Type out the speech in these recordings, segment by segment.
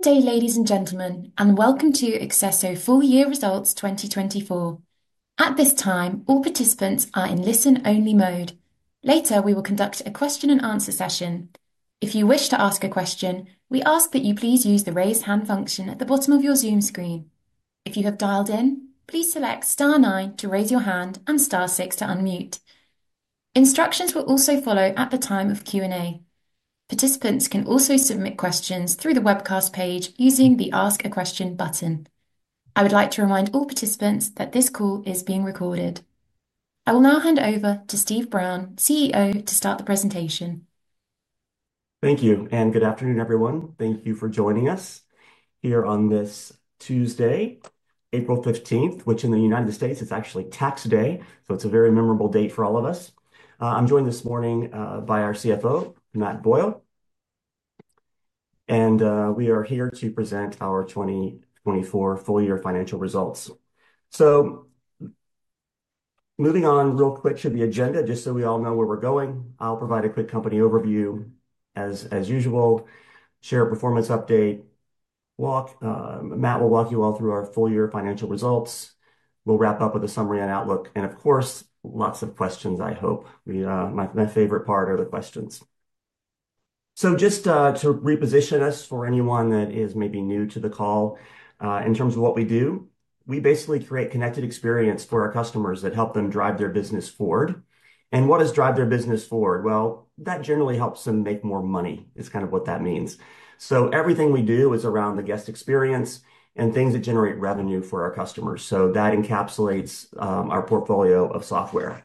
Good day, ladies and gentlemen, and welcome to Accesso full year results 2024. At this time, all participants are in listen-only mode. Later, we will conduct a question-and-answer session. If you wish to ask a question, we ask that you please use the raise hand function at the bottom of your Zoom screen. If you have dialed in, please select star 9 to raise your hand and star 6 to unmute. Instructions will also follow at the time of Q&A. Participants can also submit questions through the webcast page using the ask a question button. I would like to remind all participants that this call is being recorded. I will now hand over to Steve Brown, CEO, to start the presentation. Thank you, and good afternoon, everyone. Thank you for joining us here on this Tuesday, April 15th, which in the United States is actually Tax Day. It is a very memorable date for all of us. I'm joined this morning by our CFO, Matt Boyle. We are here to present our 2024 full year financial results. Moving on real quick to the agenda, just so we all know where we're going, I'll provide a quick company overview as usual, share a performance update. Matt will walk you all through our full year financial results. We'll wrap up with a summary on Outlook. Of course, lots of questions, I hope. My favorite part are the questions. Just to reposition us for anyone that is maybe new to the call, in terms of what we do, we basically create connected experience for our customers that help them drive their business forward. And what does drive their business forward? That generally helps them make more money is kind of what that means. Everything we do is around the guest experience and things that generate revenue for our customers. That encapsulates our portfolio of software.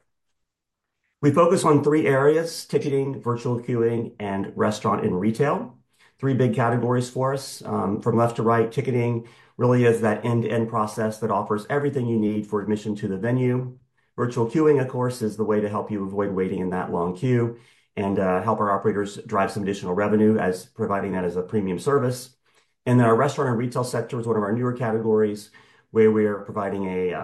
We focus on three areas: ticketing, virtual queuing, and restaurant and retail. Three big categories for us. From left to right, ticketing really is that end-to-end process that offers everything you need for admission to the venue. Virtual queuing, of course, is the way to help you avoid waiting in that long queue and help our operators drive some additional revenue as providing that as a premium service. Our restaurant and retail sector is one of our newer categories where we are providing a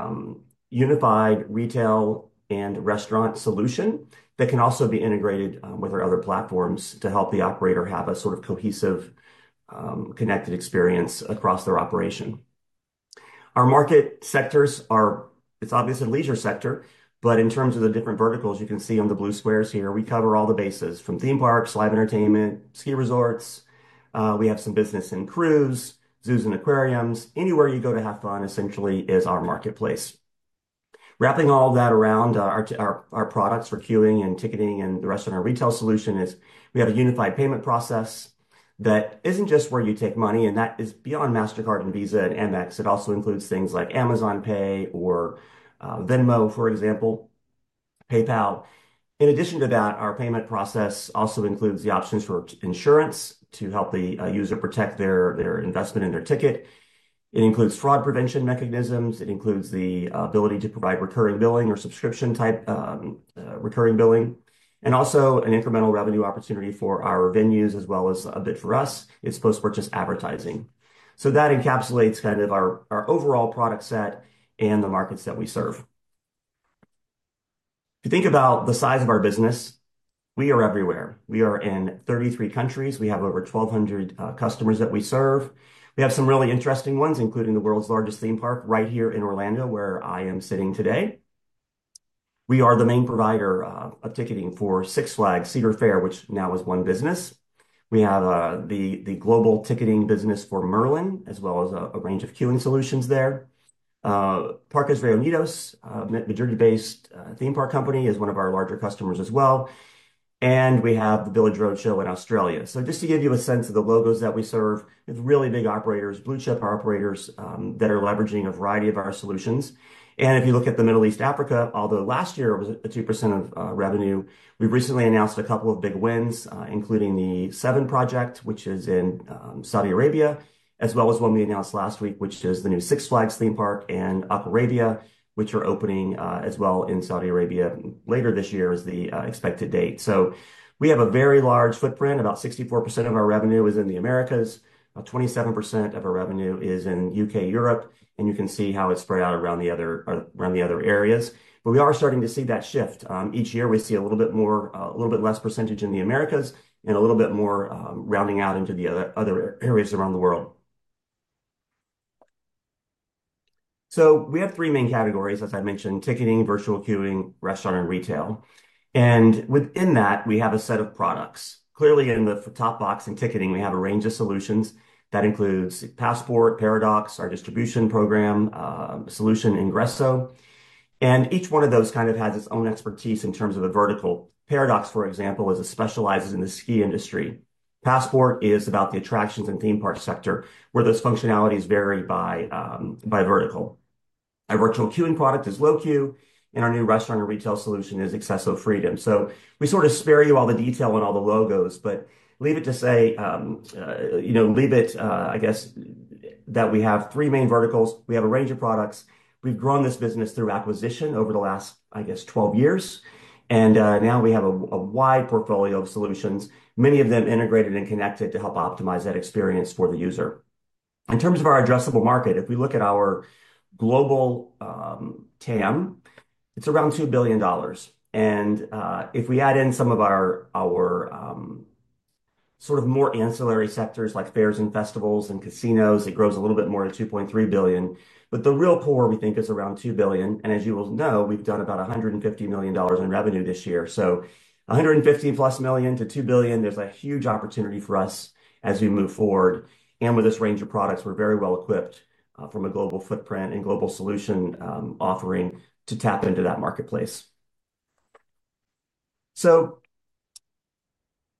unified retail and restaurant solution that can also be integrated with our other platforms to help the operator have a sort of cohesive connected experience across their operation. Our market sectors are, it's obviously the leisure sector, but in terms of the different verticals you can see on the blue squares here, we cover all the bases from theme parks, live entertainment, ski resorts. We have some business and cruise, zoos and aquariums. Anywhere you go to have fun essentially is our marketplace. Wrapping all of that around our products for queuing and ticketing and the rest of our retail solution is we have a unified payment process that isn't just where you take money, and that is beyond Mastercard and Visa and Amex. It also includes things like Amazon Pay or Venmo, for example, PayPal. In addition to that, our payment process also includes the options for insurance to help the user protect their investment in their ticket. It includes fraud prevention mechanisms. It includes the ability to provide recurring billing or subscription-type recurring billing. Also, an incremental revenue opportunity for our venues as well as a bit for us is post-purchase advertising. That encapsulates kind of our overall product set and the markets that we serve. If you think about the size of our business, we are everywhere. We are in 33 countries. We have over 1,200 customers that we serve. We have some really interesting ones, including the world's largest theme park right here in Orlando where I am sitting today. We are the main provider of ticketing for Six Flags, Cedar Fair, which now is one business. We have the global ticketing business for Merlin, as well as a range of queuing solutions there. Parques Reunidos, a majority-based theme park company, is one of our larger customers as well. We have the Village Roadshow in Australia. Just to give you a sense of the logos that we serve, we have really big operators, blue chip operators that are leveraging a variety of our solutions. If you look at the Middle East, Africa, although last year it was 2% of revenue, we recently announced a couple of big wins, including the SEVEN Project, which is in Saudi Arabia, as well as one we announced last week, which is the new Six Flags theme park in Abu Dhabi, which are opening as well in Saudi Arabia later this year as the expected date. We have a very large footprint. About 64% of our revenue is in the Americas. About 27% of our revenue is in the U.K., Europe. You can see how it's spread out around the other areas. We are starting to see that shift. Each year we see a little bit more, a little bit less percentage in the Americas and a little bit more rounding out into the other areas around the world. We have three main categories, as I mentioned, ticketing, virtual queuing, restaurant, and retail. Within that, we have a set of products. Clearly, in the top box in ticketing, we have a range of solutions that includes Passport, Paradox, our distribution program, Soluzione Ingresso. Each one of those kind of has its own expertise in terms of a vertical. Paradox, for example, is specialized in the ski industry. Passport is about the attractions and theme park sector where those functionalities vary by vertical. Our virtual queuing product is LoQueue, and our new restaurant and retail solution is Accesso Freedom. We sort of spare you all the detail and all the logos, but leave it to say, you know, leave it, I guess, that we have three main verticals. We have a range of products. We've grown this business through acquisition over the last, I guess, 12 years. Now we have a wide portfolio of solutions, many of them integrated and connected to help optimize that experience for the user. In terms of our addressable market, if we look at our global TAM, it's around $2 billion. If we add in some of our sort of more ancillary sectors like fairs and festivals and casinos, it grows a little bit more to $2.3 billion. The real core, we think, is around $2 billion. As you will know, we've done about $150 million in revenue this year. $150 plus million to $2 billion, there's a huge opportunity for us as we move forward. With this range of products, we're very well equipped from a global footprint and global solution offering to tap into that marketplace.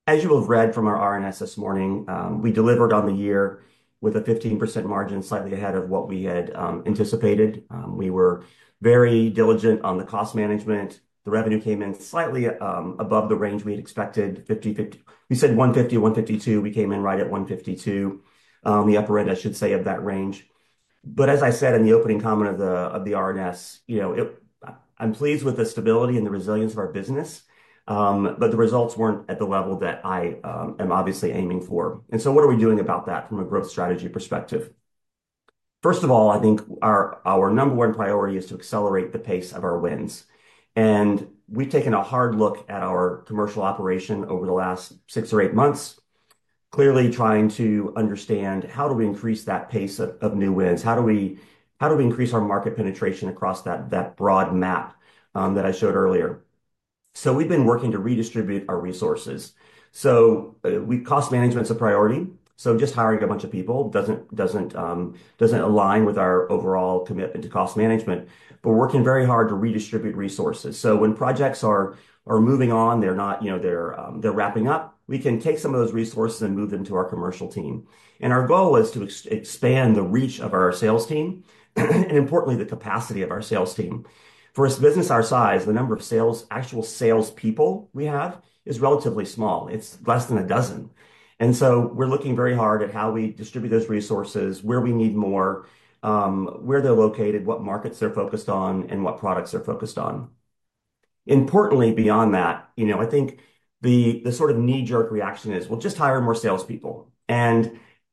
As you will have read from our RNS this morning, we delivered on the year with a 15% margin, slightly ahead of what we had anticipated. We were very diligent on the cost management. The revenue came in slightly above the range we had expected, 50-50. We said 150, 152. We came in right at 152, the upper end, I should say, of that range. As I said in the opening comment of the RNS, you know, I'm pleased with the stability and the resilience of our business, but the results weren't at the level that I am obviously aiming for. What are we doing about that from a growth strategy perspective? First of all, I think our number one priority is to accelerate the pace of our wins. We've taken a hard look at our commercial operation over the last six or eight months, clearly trying to understand how do we increase that pace of new wins? How do we increase our market penetration across that broad map that I showed earlier? We've been working to redistribute our resources. Cost management is a priority. Just hiring a bunch of people doesn't align with our overall commitment to cost management. We're working very hard to redistribute resources. When projects are moving on, they're not, you know, they're wrapping up, we can take some of those resources and move them to our commercial team. Our goal is to expand the reach of our sales team and, importantly, the capacity of our sales team. For a business our size, the number of actual salespeople we have is relatively small. It's less than a dozen. We are looking very hard at how we distribute those resources, where we need more, where they're located, what markets they're focused on, and what products they're focused on. Importantly, beyond that, you know, I think the sort of knee-jerk reaction is, well, just hire more salespeople.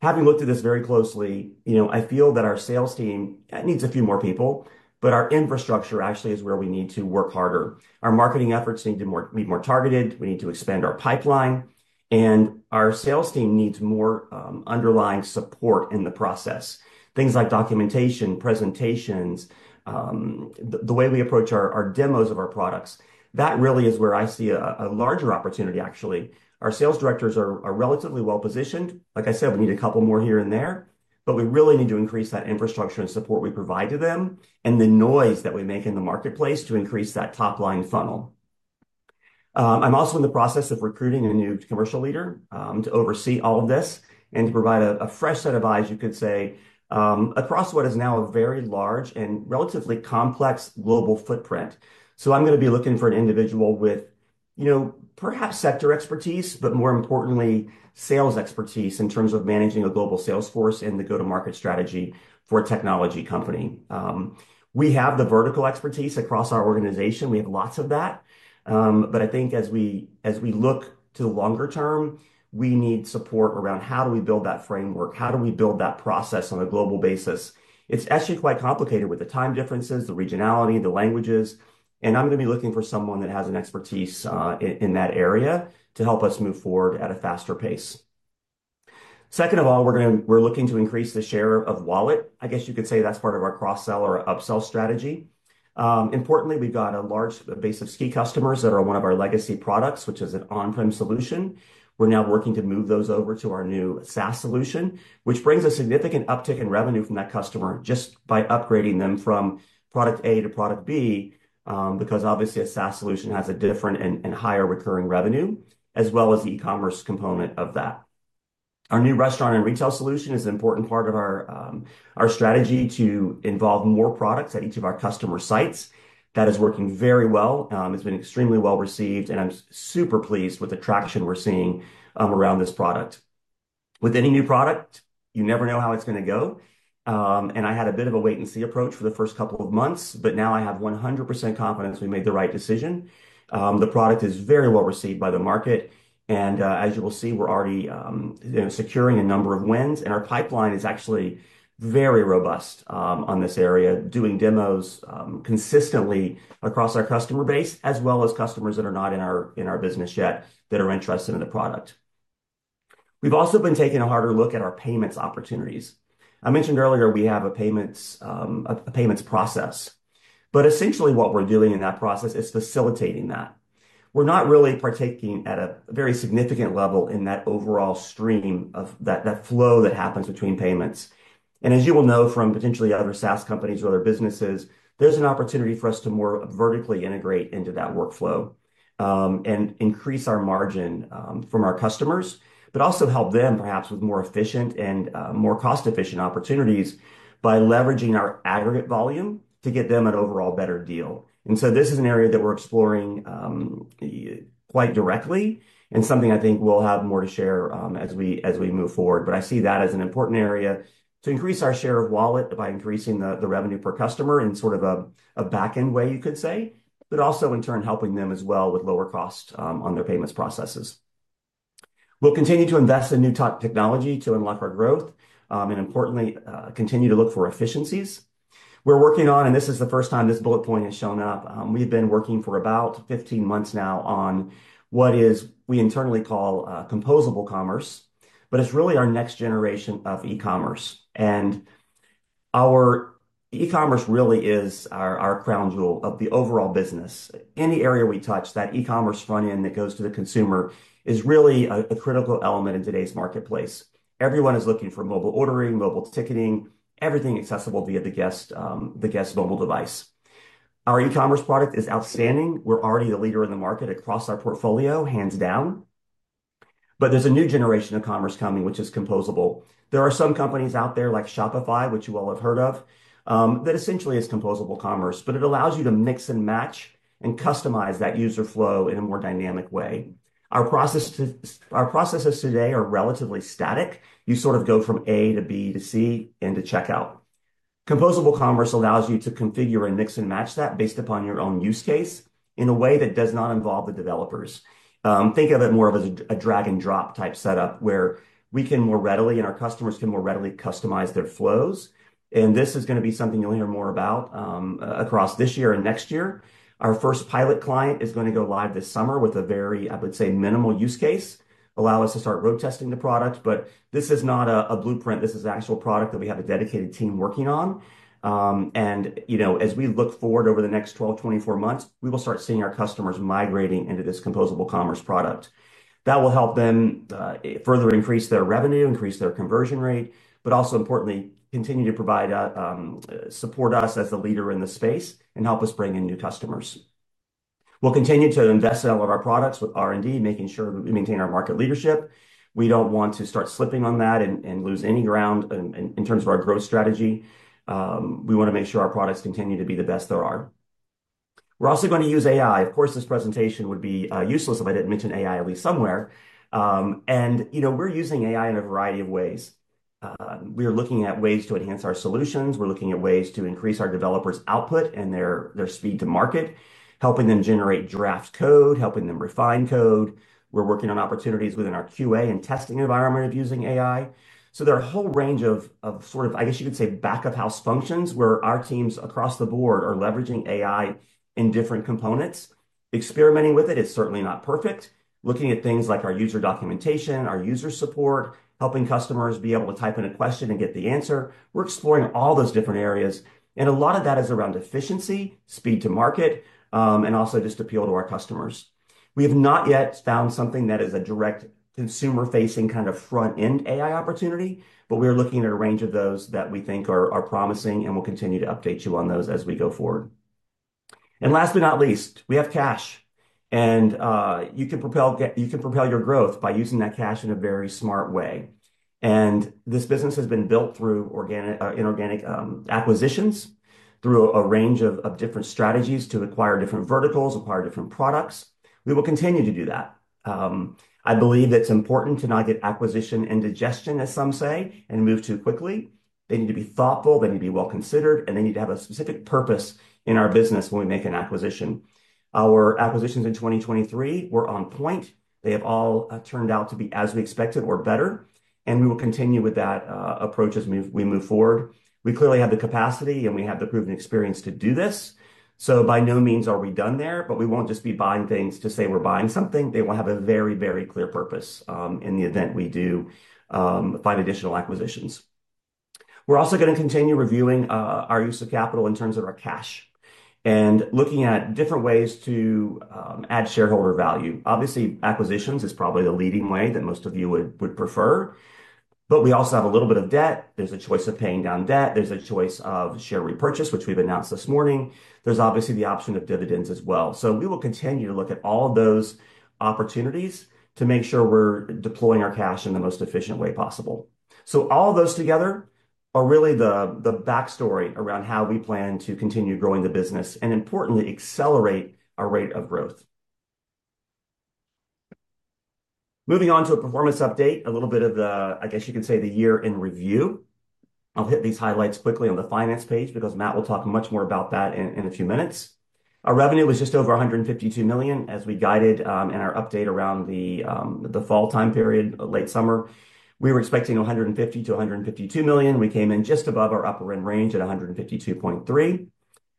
Having looked at this very closely, you know, I feel that our sales team needs a few more people, but our infrastructure actually is where we need to work harder. Our marketing efforts need to be more targeted. We need to expand our pipeline. Our sales team needs more underlying support in the process. Things like documentation, presentations, the way we approach our demos of our products, that really is where I see a larger opportunity, actually. Our sales directors are relatively well positioned. Like I said, we need a couple more here and there, but we really need to increase that infrastructure and support we provide to them and the noise that we make in the marketplace to increase that top line funnel. I'm also in the process of recruiting a new commercial leader to oversee all of this and to provide a fresh set of eyes, you could say, across what is now a very large and relatively complex global footprint. I'm going to be looking for an individual with, you know, perhaps sector expertise, but more importantly, sales expertise in terms of managing a global sales force and the go-to-market strategy for a technology company. We have the vertical expertise across our organization. We have lots of that. I think as we look to the longer term, we need support around how do we build that framework? How do we build that process on a global basis? It's actually quite complicated with the time differences, the regionality, the languages. I'm going to be looking for someone that has an expertise in that area to help us move forward at a faster pace. Second of all, we're looking to increase the share of wallet. I guess you could say that's part of our cross-sell or up-sell strategy. Importantly, we've got a large base of ski customers that are one of our legacy products, which is an on-prem solution. We're now working to move those over to our new SaaS solution, which brings a significant uptick in revenue from that customer just by upgrading them from product A to product B, because obviously a SaaS solution has a different and higher recurring revenue, as well as the e-commerce component of that. Our new restaurant and retail solution is an important part of our strategy to involve more products at each of our customer sites. That is working very well. It's been extremely well received. I'm super pleased with the traction we're seeing around this product. With any new product, you never know how it's going to go. I had a bit of a wait-and-see approach for the first couple of months, but now I have 100% confidence we made the right decision. The product is very well received by the market. As you will see, we're already securing a number of wins. Our pipeline is actually very robust on this area, doing demos consistently across our customer base, as well as customers that are not in our business yet that are interested in the product. We've also been taking a harder look at our payments opportunities. I mentioned earlier we have a payments process. Essentially what we're doing in that process is facilitating that. We're not really partaking at a very significant level in that overall stream of that flow that happens between payments. As you will know from potentially other SaaS companies or other businesses, there is an opportunity for us to more vertically integrate into that workflow and increase our margin from our customers, but also help them perhaps with more efficient and more cost-efficient opportunities by leveraging our aggregate volume to get them an overall better deal. This is an area that we are exploring quite directly and something I think we will have more to share as we move forward. I see that as an important area to increase our share of wallet by increasing the revenue per customer in sort of a back-end way, you could say, but also in turn helping them as well with lower cost on their payments processes. We will continue to invest in new technology to unlock our growth and, importantly, continue to look for efficiencies. We're working on, and this is the first time this bullet point has shown up, we've been working for about 15 months now on what we internally call composable commerce, but it's really our next generation of e-commerce. And our e-commerce really is our crown jewel of the overall business. Any area we touch that e-commerce front end that goes to the consumer is really a critical element in today's marketplace. Everyone is looking for mobile ordering, mobile ticketing, everything accessible via the guest mobile device. Our e-commerce product is outstanding. We're already the leader in the market across our portfolio, hands down. But there's a new generation of commerce coming, which is composable. There are some companies out there like Shopify, which you all have heard of, that essentially is composable commerce, but it allows you to mix and match and customize that user flow in a more dynamic way. Our processes today are relatively static. You sort of go from A to B to C and to checkout. Composable commerce allows you to configure and mix and match that based upon your own use case in a way that does not involve the developers. Think of it more of a drag-and-drop type setup where we can more readily and our customers can more readily customize their flows. This is going to be something you'll hear more about across this year and next year. Our first pilot client is going to go live this summer with a very, I would say, minimal use case, allow us to start road testing the product. This is not a blueprint. This is an actual product that we have a dedicated team working on. You know, as we look forward over the next 12, 24 months, we will start seeing our customers migrating into this composable commerce product. That will help them further increase their revenue, increase their conversion rate, but also, importantly, continue to provide support to us as the leader in the space and help us bring in new customers. We will continue to invest in all of our products with R&D, making sure we maintain our market leadership. We do not want to start slipping on that and lose any ground in terms of our growth strategy. We want to make sure our products continue to be the best there are. We are also going to use AI. Of course, this presentation would be useless if I did not mention AI at least somewhere. You know, we're using AI in a variety of ways. We are looking at ways to enhance our solutions. We're looking at ways to increase our developers' output and their speed to market, helping them generate draft code, helping them refine code. We're working on opportunities within our QA and testing environment of using AI. There are a whole range of sort of, I guess you could say, back-of-house functions where our teams across the board are leveraging AI in different components. Experimenting with it is certainly not perfect. Looking at things like our user documentation, our user support, helping customers be able to type in a question and get the answer. We're exploring all those different areas. A lot of that is around efficiency, speed to market, and also just appeal to our customers. We have not yet found something that is a direct consumer-facing kind of front-end AI opportunity, but we are looking at a range of those that we think are promising and will continue to update you on those as we go forward. Last but not least, we have cash. You can propel your growth by using that cash in a very smart way. This business has been built through inorganic acquisitions, through a range of different strategies to acquire different verticals, acquire different products. We will continue to do that. I believe that it is important to not get acquisition and digestion, as some say, and move too quickly. They need to be thoughtful. They need to be well considered. They need to have a specific purpose in our business when we make an acquisition. Our acquisitions in 2023 were on point. They have all turned out to be as we expected or better. We will continue with that approach as we move forward. We clearly have the capacity and we have the proven experience to do this. By no means are we done there, but we will not just be buying things to say we are buying something. They will have a very, very clear purpose in the event we do find additional acquisitions. We are also going to continue reviewing our use of capital in terms of our cash and looking at different ways to add shareholder value. Obviously, acquisitions is probably the leading way that most of you would prefer. We also have a little bit of debt. There is a choice of paying down debt. There is a choice of share repurchase, which we have announced this morning. There is obviously the option of dividends as well. We will continue to look at all of those opportunities to make sure we're deploying our cash in the most efficient way possible. All of those together are really the backstory around how we plan to continue growing the business and, importantly, accelerate our rate of growth. Moving on to a performance update, a little bit of the, I guess you could say, the year in review. I'll hit these highlights quickly on the finance page because Matt will talk much more about that in a few minutes. Our revenue was just over $152 million as we guided in our update around the fall time period, late summer. We were expecting $150-$152 million. We came in just above our upper end range at $152.3 million.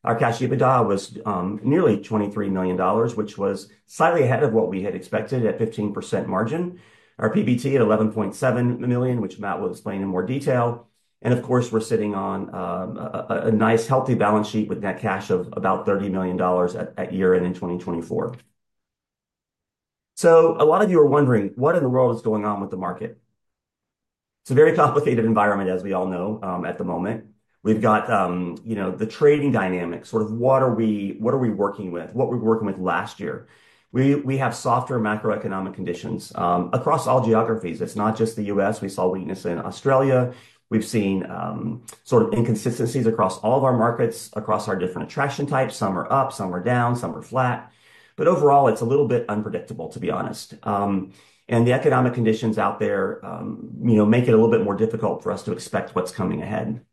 Our Cash EBITDA was nearly $23 million, which was slightly ahead of what we had expected at 15% margin. Our PBT at $11.7 million, which Matt will explain in more detail. Of course, we're sitting on a nice healthy balance sheet with net cash of about $30 million at year-end in 2024. A lot of you are wondering what in the world is going on with the market. It's a very complicated environment, as we all know, at the moment. We've got, you know, the trading dynamics, sort of what are we working with, what we were working with last year. We have softer macroeconomic conditions across all geographies. It's not just the U.S. We saw weakness in Australia. We've seen sort of inconsistencies across all of our markets, across our different attraction types. Some are up, some are down, some are flat. Overall, it's a little bit unpredictable, to be honest. The economic conditions out there, you know, make it a little bit more difficult for us to expect what's coming ahead.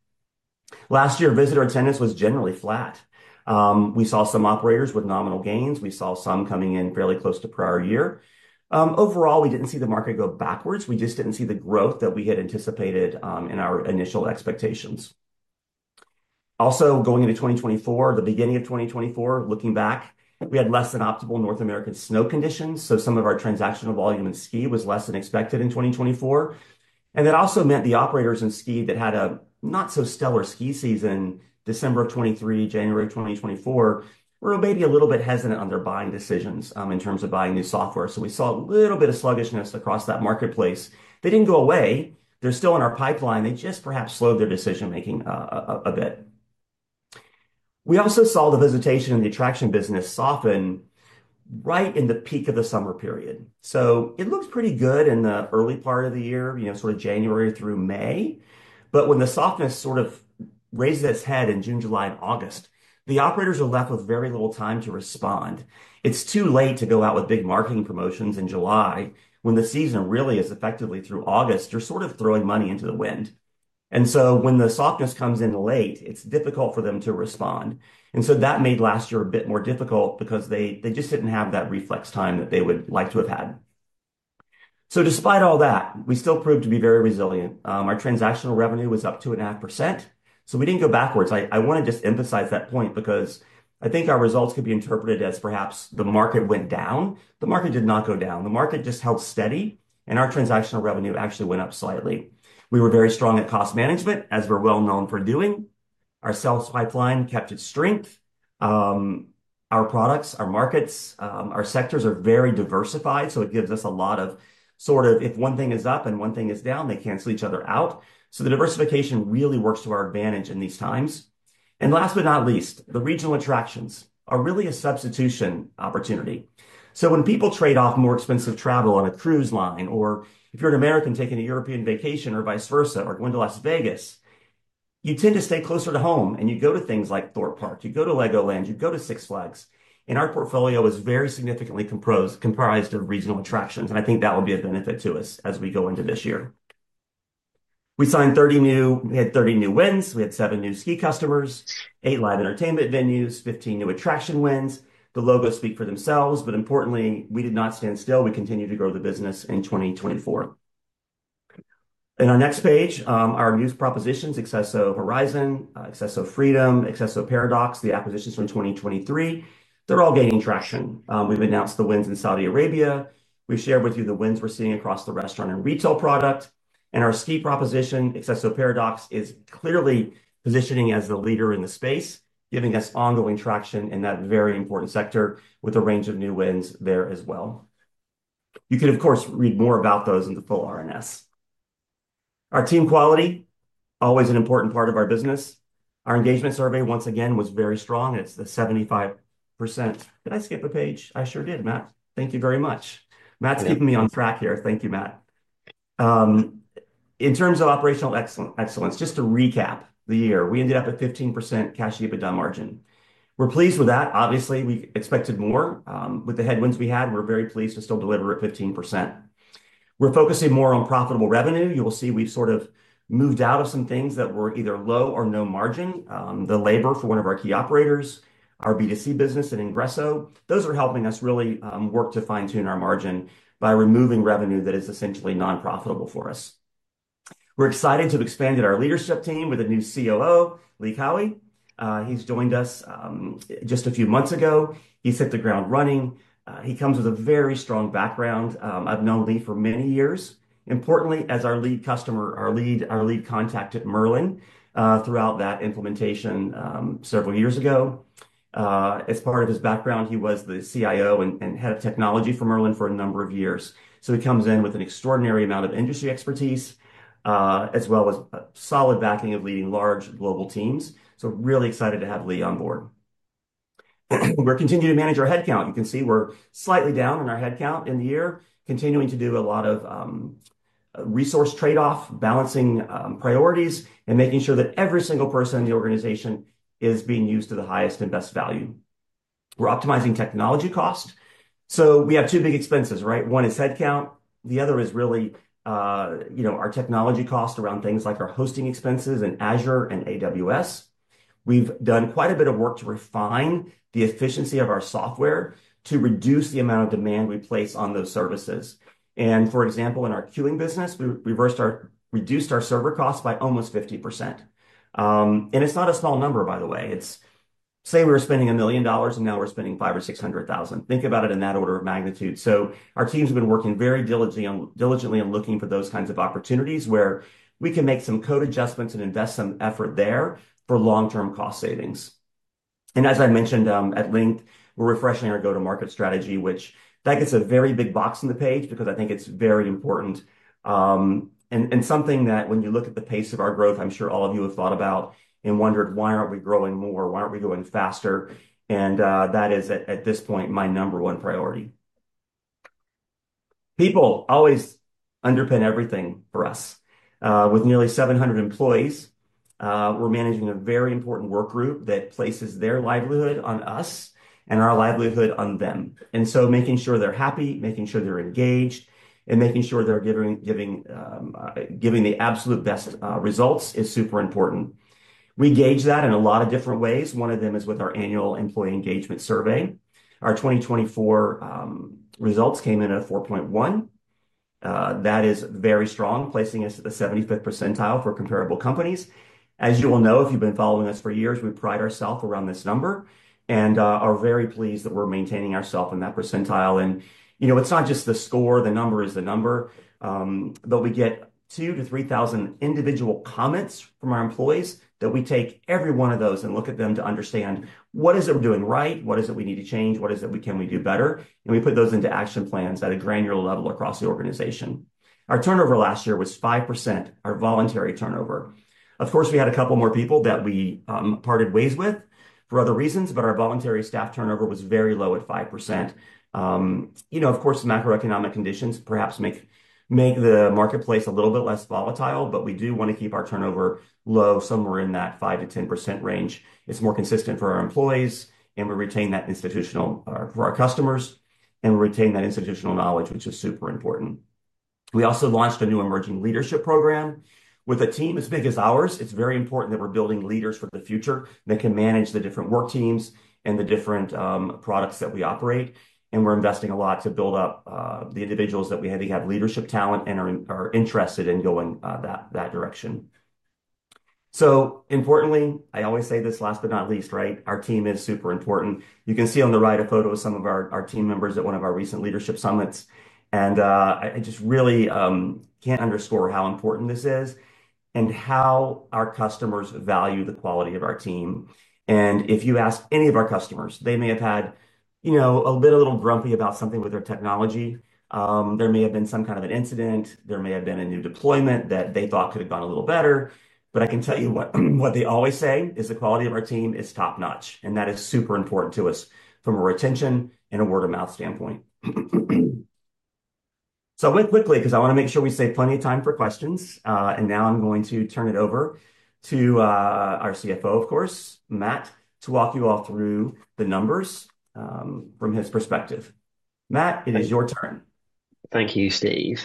Last year, visitor attendance was generally flat. We saw some operators with nominal gains. We saw some coming in fairly close to prior year. Overall, we didn't see the market go backwards. We just didn't see the growth that we had anticipated in our initial expectations. Also, going into 2024, the beginning of 2024, looking back, we had less than optimal North American snow conditions. Some of our transactional volume in ski was less than expected in 2024. That also meant the operators in ski that had a not-so-stellar ski season in December of 2023, January of 2024, were maybe a little bit hesitant on their buying decisions in terms of buying new software. We saw a little bit of sluggishness across that marketplace. They did not go away. They are still in our pipeline. They just perhaps slowed their decision-making a bit. We also saw the visitation and the attraction business soften right in the peak of the summer period. It looks pretty good in the early part of the year, you know, sort of January through May. When the softness sort of raises its head in June, July, and August, the operators are left with very little time to respond. It is too late to go out with big marketing promotions in July when the season really is effectively through August. You are sort of throwing money into the wind. When the softness comes in late, it is difficult for them to respond. That made last year a bit more difficult because they just did not have that reflex time that they would like to have had. Despite all that, we still proved to be very resilient. Our transactional revenue was up 2.5%. We did not go backwards. I want to just emphasize that point because I think our results could be interpreted as perhaps the market went down. The market did not go down. The market just held steady. Our transactional revenue actually went up slightly. We were very strong at cost management, as we're well known for doing. Our sales pipeline kept its strength. Our products, our markets, our sectors are very diversified. It gives us a lot of sort of if one thing is up and one thing is down, they cancel each other out. The diversification really works to our advantage in these times. Last but not least, the regional attractions are really a substitution opportunity. When people trade off more expensive travel on a cruise line, or if you're an American taking a European vacation or vice versa, or going to Las Vegas, you tend to stay closer to home and you go to things like Thorpe Park, you go to LEGOLAND, you go to Six Flags. Our portfolio is very significantly comprised of regional attractions. I think that will be a benefit to us as we go into this year. We signed 30 new, we had 30 new wins. We had SEVEN new ski customers, eight live entertainment venues, 15 new attraction wins. The logos speak for themselves. Importantly, we did not stand still. We continue to grow the business in 2024. In our next page, our news propositions, Accesso Horizon, Accesso Freedom, Accesso Paradox, the acquisitions from 2023, they're all gaining traction. We've announced the wins in Saudi Arabia. We shared with you the wins we're seeing across the restaurant and retail product. Our ski proposition, Accesso Paradox, is clearly positioning as the leader in the space, giving us ongoing traction in that very important sector with a range of new wins there as well. You can, of course, read more about those in the full RNS. Our team quality, always an important part of our business. Our engagement survey, once again, was very strong. It's the 75%. Did I skip a page? I sure did, Matt. Thank you very much. Matt's keeping me on track here. Thank you, Matt. In terms of operational excellence, just to recap the year, we ended up at 15% Cash EBITDA margin. We're pleased with that. Obviously, we expected more. With the headwinds we had, we're very pleased to still deliver at 15%. We're focusing more on profitable revenue. You will see we've sort of moved out of some things that were either low or no margin. The labor for one of our key operators, our B2C business at Ingresso, those are helping us really work to fine-tune our margin by removing revenue that is essentially nonprofitable for us. We're excited to have expanded our leadership team with a new COO, Lee Cowie. He's joined us just a few months ago. He set the ground running. He comes with a very strong background. I've known Lee for many years. Importantly, as our lead customer, our lead contact at Merlin throughout that implementation several years ago, as part of his background, he was the CIO and head of technology for Merlin for a number of years. He comes in with an extraordinary amount of industry expertise, as well as solid backing of leading large global teams. Really excited to have Lee on board. We're continuing to manage our headcount. You can see we're slightly down in our headcount in the year, continuing to do a lot of resource trade-off, balancing priorities, and making sure that every single person in the organization is being used to the highest and best value. We're optimizing technology cost. We have two big expenses, right? One is headcount. The other is really, you know, our technology cost around things like our hosting expenses and Azure and AWS. We've done quite a bit of work to refine the efficiency of our software to reduce the amount of demand we place on those services. For example, in our queuing business, we reduced our server costs by almost 50%. It's not a small number, by the way. Let's say we were spending $1 million and now we're spending $500,000 or $600,000. Think about it in that order of magnitude. Our teams have been working very diligently and looking for those kinds of opportunities where we can make some code adjustments and invest some effort there for long-term cost savings. As I mentioned at length, we're refreshing our go-to-market strategy, which gets a very big box on the page because I think it's very important. Something that, when you look at the pace of our growth, I'm sure all of you have thought about and wondered, why aren't we growing more? Why aren't we growing faster? That is at this point my number one priority. People always underpin everything for us. With nearly 700 employees, we're managing a very important work group that places their livelihood on us and our livelihood on them. Making sure they're happy, making sure they're engaged, and making sure they're giving the absolute best results is super important. We gauge that in a lot of different ways. One of them is with our annual employee engagement survey. Our 2024 results came in at a 4.1. That is very strong, placing us at the 75% percentile for comparable companies. As you will know, if you've been following us for years, we pride ourselves around this number and are very pleased that we're maintaining ourselves in that percentile. You know, it's not just the score, the number is the number, but we get 2,000-3,000 individual comments from our employees that we take every one of those and look at them to understand what is it we're doing right, what is it we need to change, what is it we can do better. We put those into action plans at a granular level across the organization. Our turnover last year was 5%, our voluntary turnover. Of course, we had a couple more people that we parted ways with for other reasons, but our voluntary staff turnover was very low at 5%. You know, of course, macroeconomic conditions perhaps make the marketplace a little bit less volatile, but we do want to keep our turnover low somewhere in that 5%-10% range. It's more consistent for our employees, and we retain that institutional for our customers, and we retain that institutional knowledge, which is super important. We also launched a new emerging leadership program with a team as big as ours. It's very important that we're building leaders for the future that can manage the different work teams and the different products that we operate. We're investing a lot to build up the individuals that we have leadership talent and are interested in going that direction. Importantly, I always say this last but not least, right? Our team is super important. You can see on the right a photo of some of our team members at one of our recent leadership summits. I just really can't underscore how important this is and how our customers value the quality of our team. If you ask any of our customers, they may have had, you know, a little grumpy about something with their technology. There may have been some kind of an incident. There may have been a new deployment that they thought could have gone a little better. I can tell you what they always say is the quality of our team is top-notch. That is super important to us from a retention and a word-of-mouth standpoint. I went quickly because I want to make sure we save plenty of time for questions. Now I am going to turn it over to our CFO, of course, Matt, to walk you all through the numbers from his perspective. Matt, it is your turn. Thank you, Steve.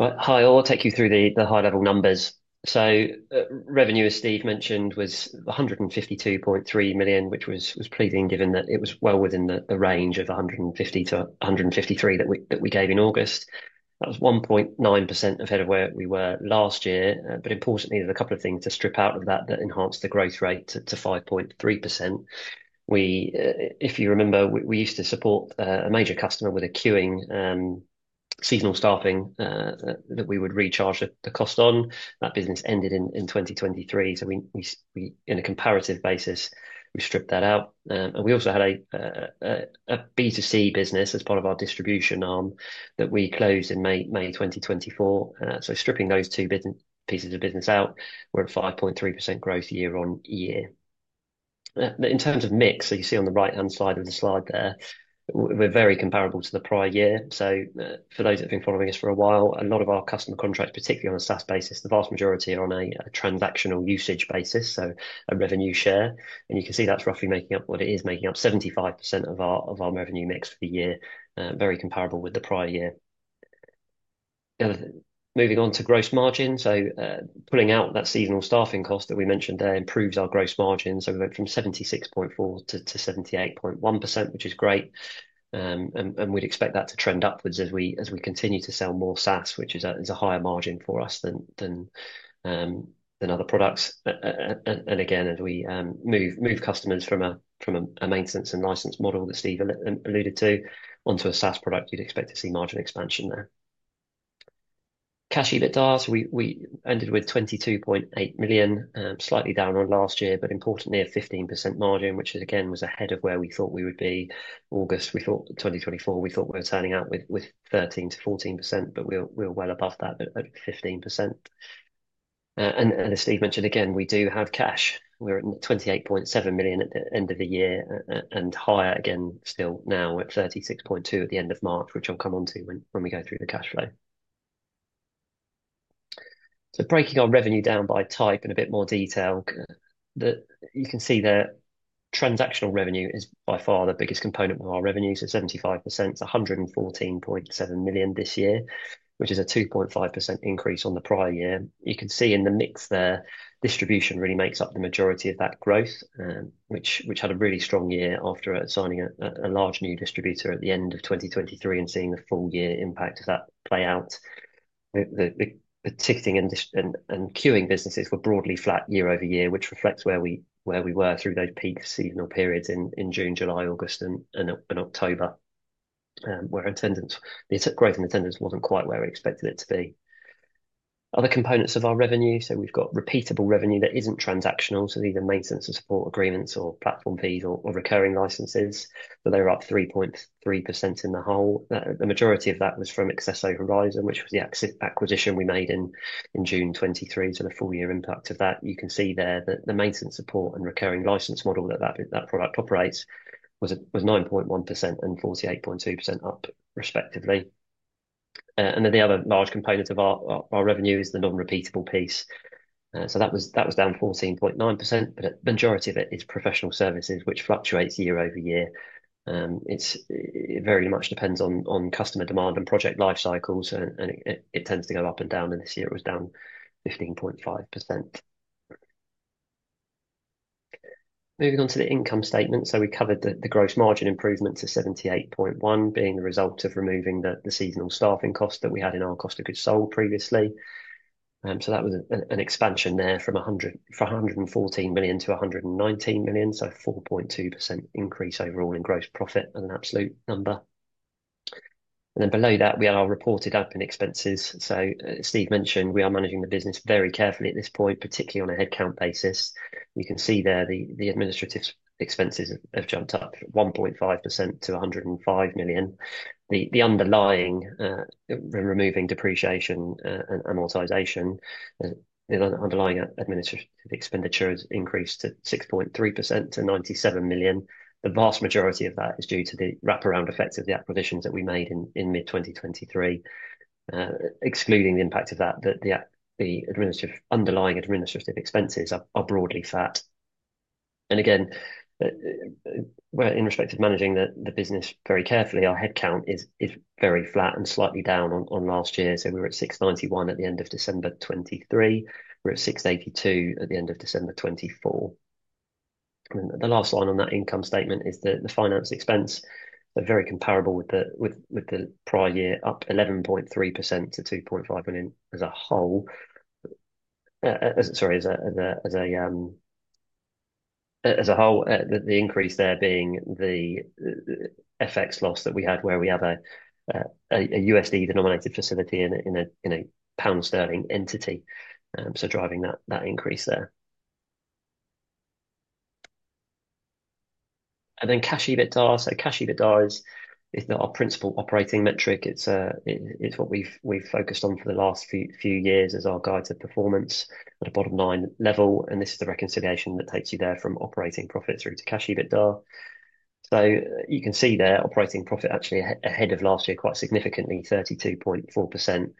Hi, I will take you through the high-level numbers. Revenue, as Steve mentioned, was $152.3 million, which was pleasing given that it was well within the range of $150-$153 million that we gave in August. That was 1.9% ahead of where we were last year. Importantly, there are a couple of things to strip out of that that enhanced the growth rate to 5.3%. If you remember, we used to support a major customer with a queuing seasonal staffing that we would recharge the cost on. That business ended in 2023. On a comparative basis, we stripped that out. We also had a B2C business as part of our distribution arm that we closed in May 2024. Stripping those two pieces of business out, we are at 5.3% growth year on year. In terms of mix, you see on the right-hand side of the slide there, we are very comparable to the prior year. For those that have been following us for a while, a lot of our customer contracts, particularly on a SaaS basis, the vast majority are on a transactional usage basis, so a revenue share. You can see that's roughly making up what it is making up, 75% of our revenue mix for the year, very comparable with the prior year. Moving on to gross margin. Pulling out that seasonal staffing cost that we mentioned there improves our gross margin. We went from 76.4% to 78.1%, which is great. We'd expect that to trend upwards as we continue to sell more SaaS, which is a higher margin for us than other products. Again, as we move customers from a maintenance and license model that Steve alluded to onto a SaaS product, you'd expect to see margin expansion there. Cash EBITDA, so we ended with $22.8 million, slightly down on last year, but importantly, a 15% margin, which again was ahead of where we thought we would be in August. We thought 2024, we thought we were turning out with 13-14%, but we're well above that at 15%. As Steve mentioned again, we do have cash. We're at $28.7 million at the end of the year and higher again still now at $36.2 million at the end of March, which I'll come on to when we go through the cash flow. Breaking our revenue down by type in a bit more detail, you can see that transactional revenue is by far the biggest component of our revenue. 75%, it's $114.7 million this year, which is a 2.5% increase on the prior year. You can see in the mix there, distribution really makes up the majority of that growth, which had a really strong year after signing a large new distributor at the end of 2023 and seeing the full year impact of that play out. The ticketing and queuing businesses were broadly flat year over year, which reflects where we were through those peak seasonal periods in June, July, August, and October, where the growth in attendance was not quite where we expected it to be. Other components of our revenue, so we have got repeatable revenue that is not transactional. These are maintenance and support agreements or platform fees or recurring licenses, but they were up 3.3% in the whole. The majority of that was from Accesso Horizon, which was the acquisition we made in June 2023. The full year impact of that, you can see there that the maintenance support and recurring license model that that product operates was 9.1% and 48.2% up respectively. The other large component of our revenue is the non-repeatable piece. That was down 14.9%, but the majority of it is professional services, which fluctuates year over year. It very much depends on customer demand and project life cycles, and it tends to go up and down. This year it was down 15.5%. Moving on to the income statement. We covered the gross margin improvement to 78.1% being the result of removing the seasonal staffing cost that we had in our cost of goods sold previously. That was an expansion there from $114 million to $119 million, so a 4.2% increase overall in gross profit as an absolute number. Below that, we had our reported open expenses. Steve mentioned we are managing the business very carefully at this point, particularly on a headcount basis. You can see there the administrative expenses have jumped up 1.5% to $105 million. The underlying, removing depreciation and amortization, the underlying administrative expenditure has increased 6.3% to $97 million. The vast majority of that is due to the wrap-around effects of the acquisitions that we made in mid-2023. Excluding the impact of that, the underlying administrative expenses are broadly flat. Again, in respect of managing the business very carefully, our headcount is very flat and slightly down on last year. We were at 691 at the end of December 2023. We are at 682 at the end of December 2024. The last line on that income statement is the finance expense. They're very comparable with the prior year, up 11.3% to $2.5 million as a whole. Sorry, as a whole, the increase there being the FX loss that we had where we have a USD-denominated facility in a pound sterling entity. That is driving that increase there. Cash EBITDA is our principal operating metric. It's what we've focused on for the last few years as our guide to performance at a bottom line level. This is the reconciliation that takes you there from operating profit through to Cash EBITDA. You can see there operating profit actually ahead of last year quite significantly, 32.4%.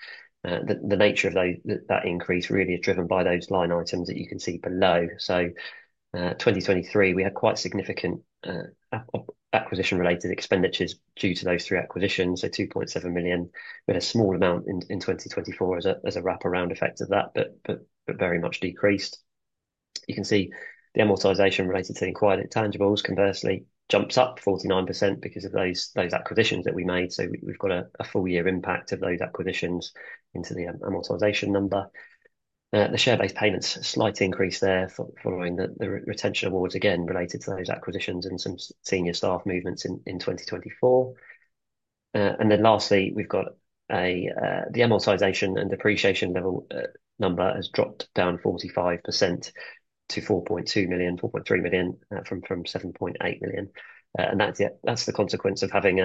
The nature of that increase really is driven by those line items that you can see below. In 2023, we had quite significant acquisition-related expenditures due to those three acquisitions, so $2.7 million. We had a small amount in 2024 as a wrap-around effect of that, but very much decreased. You can see the amortization related to the acquired intangibles conversely jumps up 49% because of those acquisitions that we made. We have a full year impact of those acquisitions into the amortization number. The share-based payments slight increase there following the retention awards again related to those acquisitions and some senior staff movements in 2024. Lastly, the amortization and depreciation level number has dropped down 45% to $4.2 million-$4.3 million from $7.8 million. That is the consequence of having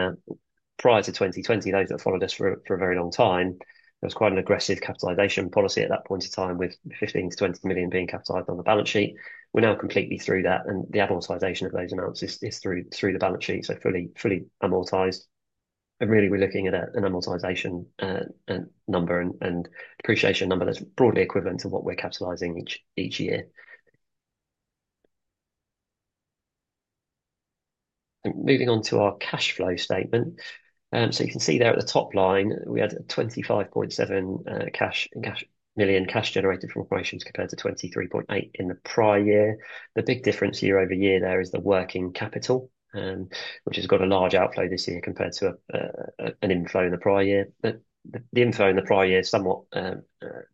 prior to 2020, those that followed us for a very long time, there was quite an aggressive capitalization policy at that point in time with $15 million-$20 million being capitalized on the balance sheet. We are now completely through that. The amortization of those amounts is through the balance sheet, so fully amortized. We are looking at an amortization number and depreciation number that is broadly equivalent to what we are capitalizing each year. Moving on to our cash flow statement. You can see there at the top line, we had $25.7 million cash generated from operations compared to $23.8 million in the prior year. The big difference year over year there is the working capital, which has got a large outflow this year compared to an inflow in the prior year. The inflow in the prior year is somewhat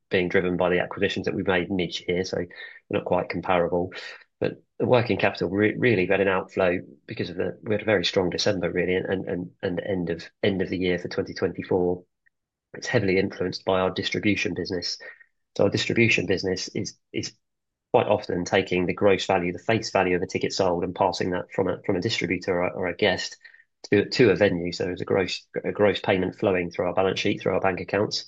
being driven by the acquisitions that we have made in each year, so they are not quite comparable. The working capital really got an outflow because we had a very strong December, really, and the end of the year for 2024. It is heavily influenced by our distribution business. Our distribution business is quite often taking the gross value, the face value of a ticket sold and passing that from a distributor or a guest to a venue. There is a gross payment flowing through our balance sheet, through our bank accounts.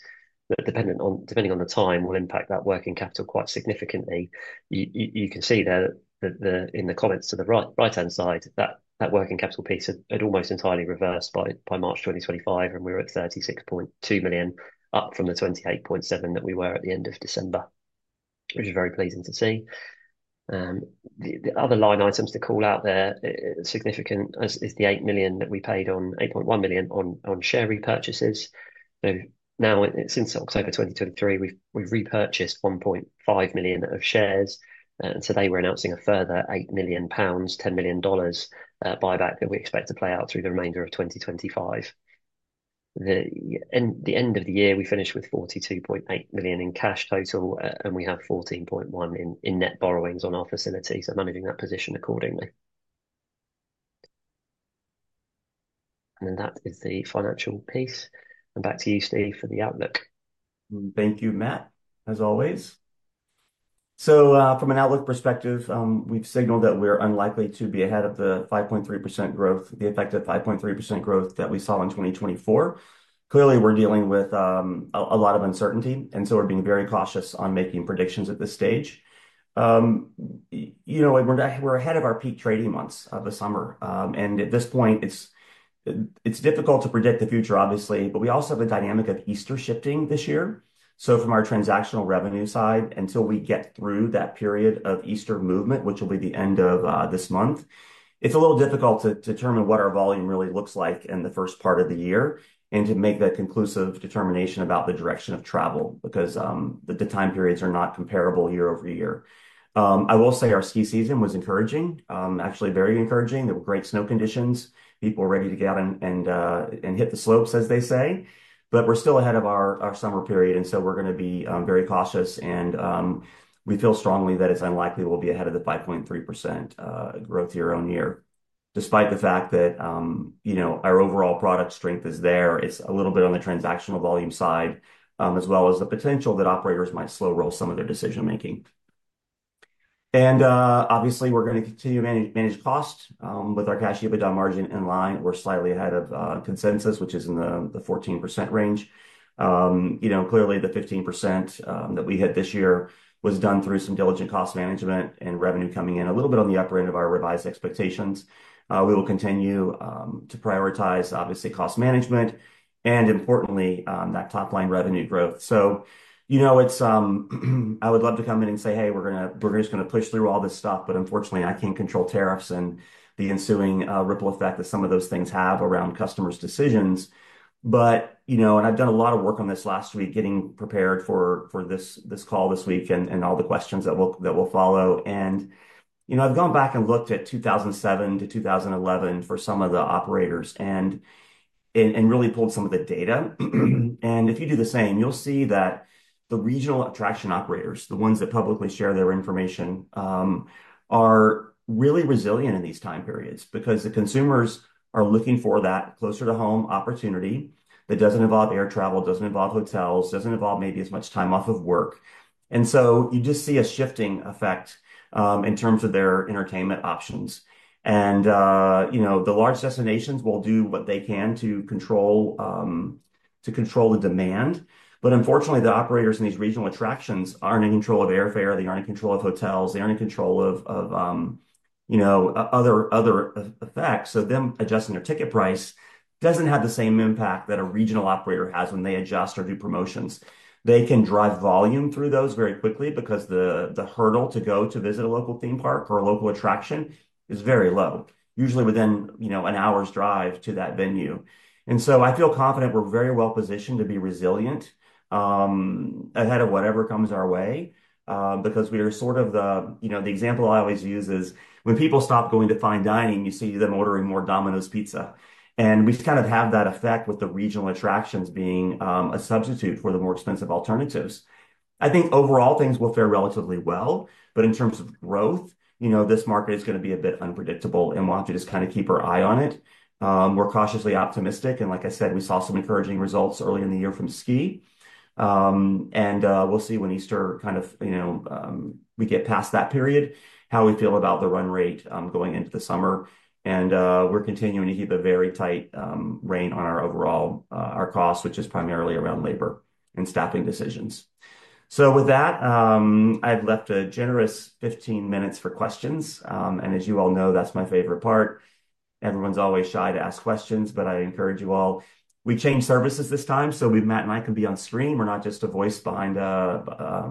Depending on the time, it will impact that working capital quite significantly. You can see there in the comments to the right-hand side that working capital piece had almost entirely reversed by March 2025, and we were at $36.2 million, up from the $28.7 million that we were at the end of December, which is very pleasing to see. The other line items to call out there, significant is the $8.1 million that we paid on share repurchases. Now, since October 2023, we've repurchased 1.5 million of shares. Today, we're announcing a further 8 million pounds, $10 million buyback that we expect to play out through the remainder of 2025. At the end of the year, we finished with 42.8 million in cash total, and we have 14.1 million in net borrowings on our facilities, so managing that position accordingly. That is the financial piece. Back to you, Steve, for the outlook. Thank you, Matt, as always. From an outlook perspective, we've signaled that we're unlikely to be ahead of the 5.3% growth, the effective 5.3% growth that we saw in 2024. Clearly, we're dealing with a lot of uncertainty, and we're being very cautious on making predictions at this stage. We're ahead of our peak trading months of the summer. At this point, it's difficult to predict the future, obviously, but we also have the dynamic of Easter shifting this year. From our transactional revenue side, until we get through that period of Easter movement, which will be the end of this month, it's a little difficult to determine what our volume really looks like in the first part of the year and to make that conclusive determination about the direction of travel because the time periods are not comparable year over year. I will say our ski season was encouraging, actually very encouraging. There were great snow conditions, people ready to get out and hit the slopes, as they say. We are still ahead of our summer period, and we are going to be very cautious. We feel strongly that it's unlikely we'll be ahead of the 5.3% growth year on year, despite the fact that our overall product strength is there. It's a little bit on the transactional volume side, as well as the potential that operators might slow roll some of their decision-making. Obviously, we're going to continue to manage cost with our Cash EBITDA margin in line. We're slightly ahead of consensus, which is in the 14% range. Clearly, the 15% that we had this year was done through some diligent cost management and revenue coming in a little bit on the upper end of our revised expectations. We will continue to prioritize, obviously, cost management and, importantly, that top-line revenue growth. I would love to come in and say, "Hey, we're just going to push through all this stuff," but unfortunately, I can't control tariffs and the ensuing ripple effect that some of those things have around customers' decisions. I've done a lot of work on this last week, getting prepared for this call this week and all the questions that will follow. I've gone back and looked at 2007 to 2011 for some of the operators and really pulled some of the data. If you do the same, you'll see that the regional attraction operators, the ones that publicly share their information, are really resilient in these time periods because the consumers are looking for that closer-to-home opportunity that does not involve air travel, does not involve hotels, does not involve maybe as much time off of work. You just see a shifting effect in terms of their entertainment options. The large destinations will do what they can to control the demand. Unfortunately, the operators in these regional attractions are not in control of airfare. They are not in control of hotels. They aren't in control of other effects. Them adjusting their ticket price doesn't have the same impact that a regional operator has when they adjust or do promotions. They can drive volume through those very quickly because the hurdle to go to visit a local theme park or a local attraction is very low, usually within an hour's drive to that venue. I feel confident we're very well positioned to be resilient ahead of whatever comes our way because we are sort of the example I always use is when people stop going to fine dining, you see them ordering more Domino's Pizza. We kind of have that effect with the regional attractions being a substitute for the more expensive alternatives. I think overall, things will fare relatively well. In terms of growth, this market is going to be a bit unpredictable, and we'll have to just kind of keep our eye on it. We're cautiously optimistic. Like I said, we saw some encouraging results early in the year from ski. We'll see when Easter, kind of, we get past that period, how we feel about the run rate going into the summer. We're continuing to keep a very tight rein on our costs, which is primarily around labor and staffing decisions. With that, I've left a generous 15 minutes for questions. As you all know, that's my favorite part. Everyone's always shy to ask questions, but I encourage you all. We changed services this time, so Matt and I can be on screen. We're not just a voice behind a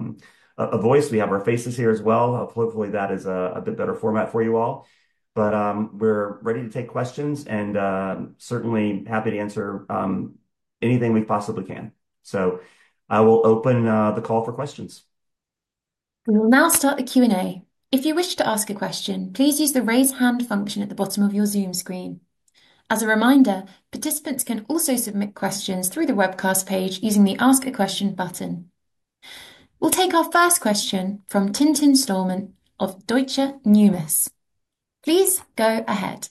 voice. We have our faces here as well. Hopefully, that is a bit better format for you all. We're ready to take questions and certainly happy to answer anything we possibly can. I will open the call for questions. We will now start the Q&A. If you wish to ask a question, please use the raise hand function at the bottom of your Zoom screen. As a reminder, participants can also submit questions through the webcast page using the ask a question button. We'll take our first question from Tintin Stormont of Deutsche Numis. Please go ahead.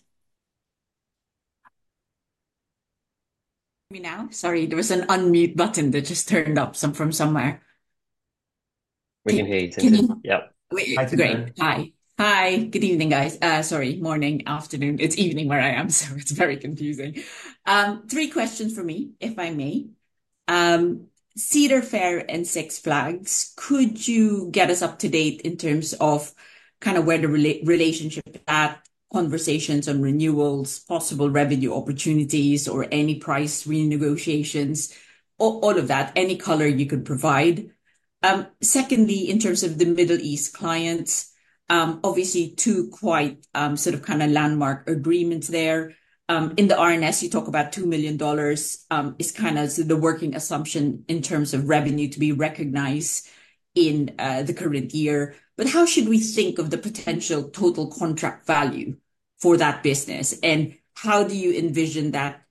Me now. Sorry, there was an unmute button that just turned up from somewhere. We can hear you, Tintin. Yep. Hi. Hi. Hi. Good evening, guys. Sorry, morning, afternoon. It's evening where I am, so it's very confusing. Three questions for me, if I may. Cedar Fair and Six Flags, could you get us up to date in terms of kind of where the relationship is at, conversations on renewals, possible revenue opportunities, or any price renegotiations, all of that, any color you could provide? Secondly, in terms of the Middle East clients, obviously, two quite sort of kind of landmark agreements there. In the RNS, you talk about $2 million. It's kind of the working assumption in terms of revenue to be recognized in the current year. How should we think of the potential total contract value for that business? How do you envision that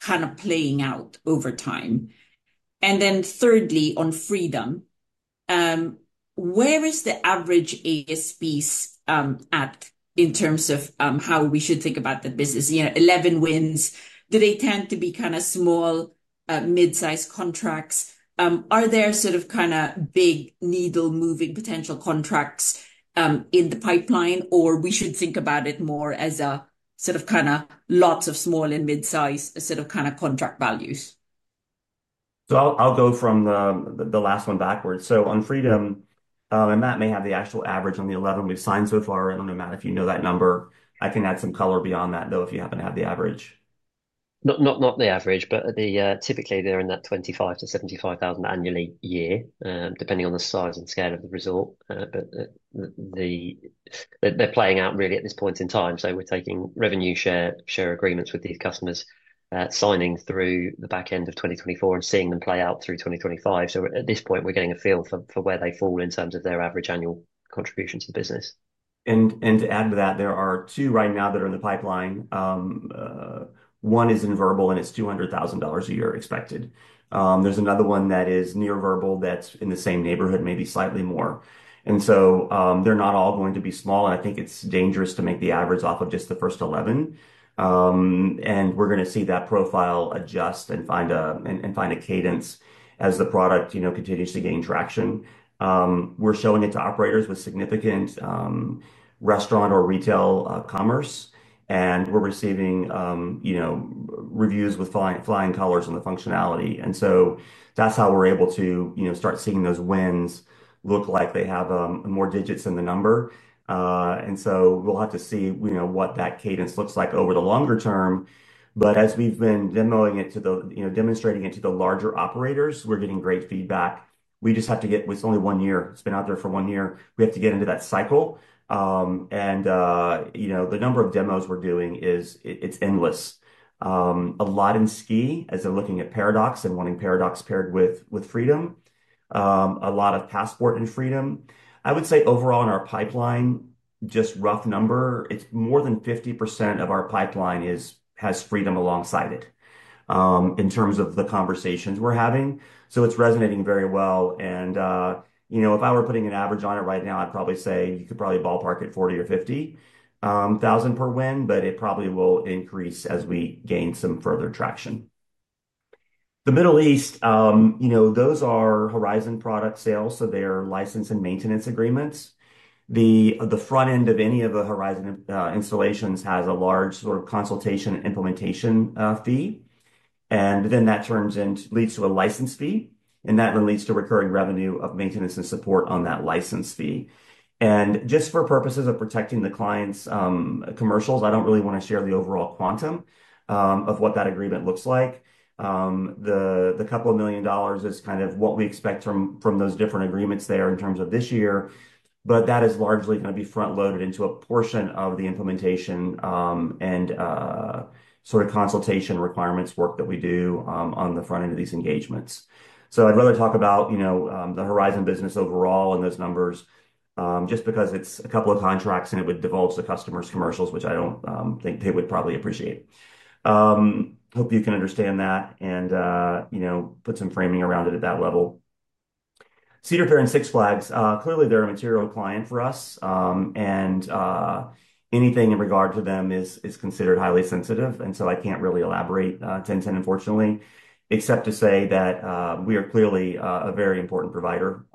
kind of playing out over time? Thirdly, on Freedom, where is the average ASPs at in terms of how we should think about the business? Eleven wins. Do they tend to be kind of small, mid-sized contracts? Are there sort of kind of big needle-moving potential contracts in the pipeline, or we should think about it more as a sort of kind of lots of small and mid-sized sort of kind of contract values? I'll go from the last one backwards. On Freedom, Matt may have the actual average on the eleven we've signed so far. I don't know, Matt, if you know that number. I can add some color beyond that, though, if you happen to have the average. Not the average, but typically, they're in that $25,000-$75,000 annually, depending on the size and scale of the result. They're playing out really at this point in time. We're taking revenue share agreements with these customers, signing through the back end of 2024 and seeing them play out through 2025. At this point, we're getting a feel for where they fall in terms of their average annual contribution to the business. To add to that, there are two right now that are in the pipeline. One is in verbal, and it's $200,000 a year expected. There's another one that is near verbal that's in the same neighborhood, maybe slightly more. They're not all going to be small, and I think it's dangerous to make the average off of just the first 11. We're going to see that profile adjust and find a cadence as the product continues to gain traction. We're showing it to operators with significant restaurant or retail commerce, and we're receiving reviews with flying colors on the functionality. That's how we're able to start seeing those wins look like they have more digits than the number. We'll have to see what that cadence looks like over the longer term. As we've been demoing it to the larger operators, we're getting great feedback. We just have to get with only one year. It's been out there for one year. We have to get into that cycle. The number of demos we're doing is endless. A lot in ski as they're looking at Paradox and wanting Paradox paired with Freedom. A lot of Passport and Freedom. I would say overall in our pipeline, just rough number, it's more than 50% of our pipeline has Freedom alongside it in terms of the conversations we're having. It's resonating very well. If I were putting an average on it right now, I'd probably say you could probably ballpark it $40,000 or $50,000 per win, but it probably will increase as we gain some further traction. The Middle East, those are Horizon product sales, so they're license and maintenance agreements. The front end of any of the Horizon installations has a large sort of consultation implementation fee. That leads to a license fee, and that then leads to recurring revenue of maintenance and support on that license fee. Just for purposes of protecting the client's commercials, I don't really want to share the overall quantum of what that agreement looks like. The couple of million dollars is kind of what we expect from those different agreements there in terms of this year. That is largely going to be front-loaded into a portion of the implementation and sort of consultation requirements work that we do on the front end of these engagements. I'd rather talk about the Horizon business overall and those numbers just because it's a couple of contracts and it would divulge the customer's commercials, which I don't think they would probably appreciate. Hope you can understand that and put some framing around it at that level. Cedar Fair and Six Flags, clearly, they're a material client for us. Anything in regard to them is considered highly sensitive. I can't really elaborate, Tintin, unfortunately, except to say that we are clearly a very important provider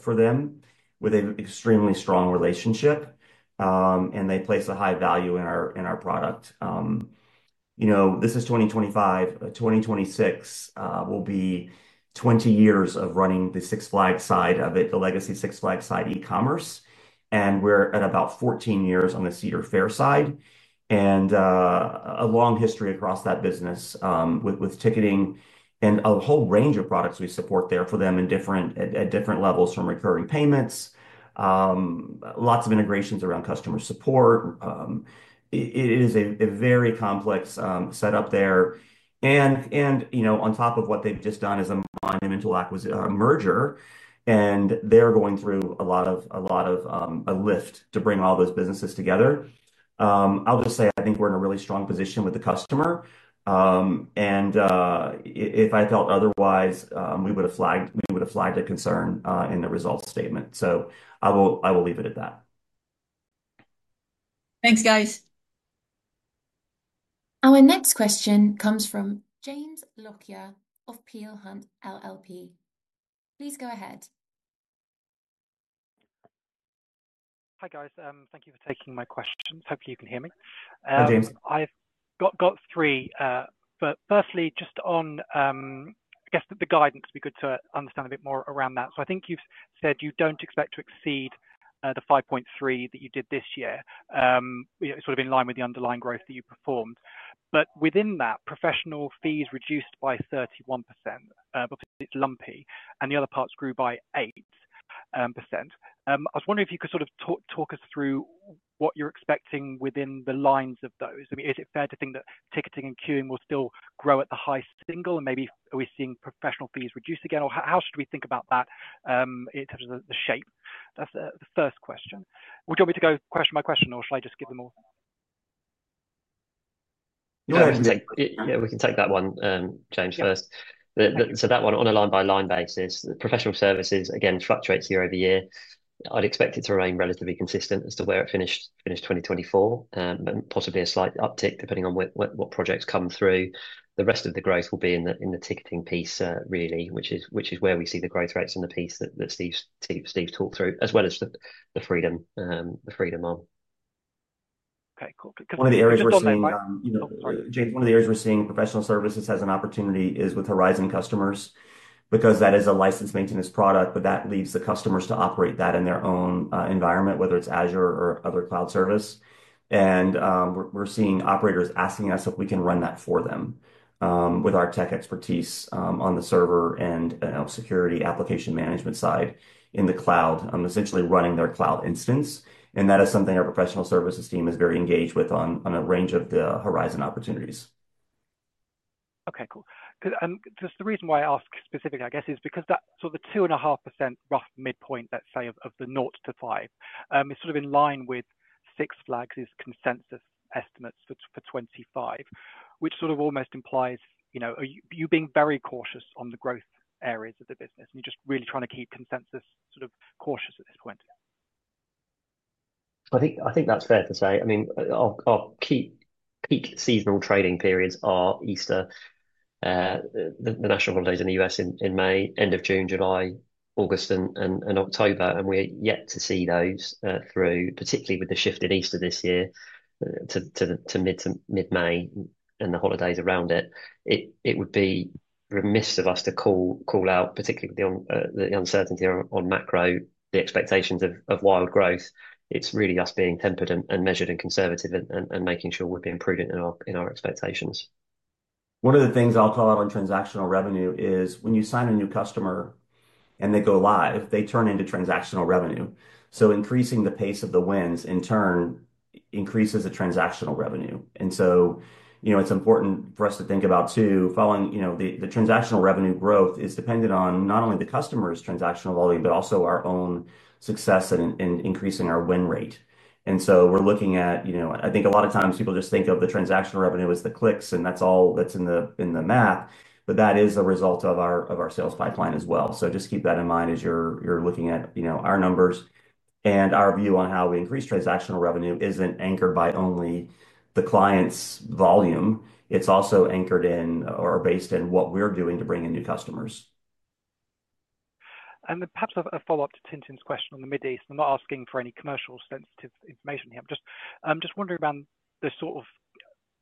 for them with an extremely strong relationship, and they place a high value in our product. This is 2025. 2026 will be 20 years of running the Six Flags side of it, the legacy Six Flags side e-commerce. And we're at about 14 years on the Cedar Fair side and a long history across that business with ticketing and a whole range of products we support there for them at different levels from recurring payments, lots of integrations around customer support. It is a very complex setup there. On top of what they've just done is a monumental merger, and they're going through a lot of a lift to bring all those businesses together. I'll just say I think we're in a really strong position with the customer. If I felt otherwise, we would have flagged a concern in the results statement. I will leave it at that. Thanks, guys. Our next question comes from James Lockyer of Peel Hunt LLP. Please go ahead. Hi, guys. Thank you for taking my questions. Hopefully, you can hear me. Hi, James. I've got three. Firstly, just on, I guess, the guidance, it'd be good to understand a bit more around that. I think you've said you don't expect to exceed the $5.3 million that you did this year, sort of in line with the underlying growth that you performed. Within that, professional fees reduced by 31% because it's lumpy, and the other parts grew by 8%. I was wondering if you could sort of talk us through what you're expecting within the lines of those. I mean, is it fair to think that ticketing and queuing will still grow at the high single? Maybe are we seeing professional fees reduce again? How should we think about that in terms of the shape? That's the first question. Would you want me to go question by question, or shall I just give them all? Yeah, we can take that one, James, first. That one on a line-by-line basis, the professional services, again, fluctuates year over year. I'd expect it to remain relatively consistent as to where it finished 2024, possibly a slight uptick depending on what projects come through. The rest of the growth will be in the ticketing piece, really, which is where we see the growth rates in the piece that Steve talked through, as well as the Freedom one. Okay. Cool. One of the areas we're seeing—sorry, James. One of the areas we're seeing professional services has an opportunity is with Horizon customers because that is a licensed maintenance product, but that leaves the customers to operate that in their own environment, whether it's Azure or other cloud service. We're seeing operators asking us if we can run that for them with our tech expertise on the server and security application management side in the cloud, essentially running their cloud instance. That is something our professional services team is very engaged with on a range of the Horizon opportunities. Okay. Cool. The reason why I ask specifically, I guess, is because that sort of the 2.5% rough midpoint, let's say, of the 0-5% is sort of in line with Six Flags' consensus estimates for 2025, which sort of almost implies you being very cautious on the growth areas of the business. You're just really trying to keep consensus sort of cautious at this point. I think that's fair to say. I mean, our peak seasonal trading periods are Easter, the national holidays in the U.S. in May, end of June, July, August, and October. We are yet to see those through, particularly with the shift in Easter this year to mid-May and the holidays around it. It would be remiss of us to call out, particularly with the uncertainty on macro, the expectations of wild growth. It is really us being tempered and measured and conservative and making sure we are being prudent in our expectations. One of the things I will call out on transactional revenue is when you sign a new customer and they go live, they turn into transactional revenue. Increasing the pace of the wins, in turn, increases the transactional revenue. It is important for us to think about, too, following the transactional revenue growth is dependent on not only the customer's transactional volume, but also our own success in increasing our win rate. We are looking at, I think a lot of times people just think of the transactional revenue as the clicks, and that's all that's in the math. That is a result of our sales pipeline as well. Just keep that in mind as you're looking at our numbers. Our view on how we increase transactional revenue isn't anchored by only the client's volume. It is also anchored in or based in what we're doing to bring in new customers. Perhaps a follow-up to Tintin's question on the Middle East. I'm not asking for any commercial-sensitive information here. I'm just wondering around the sort of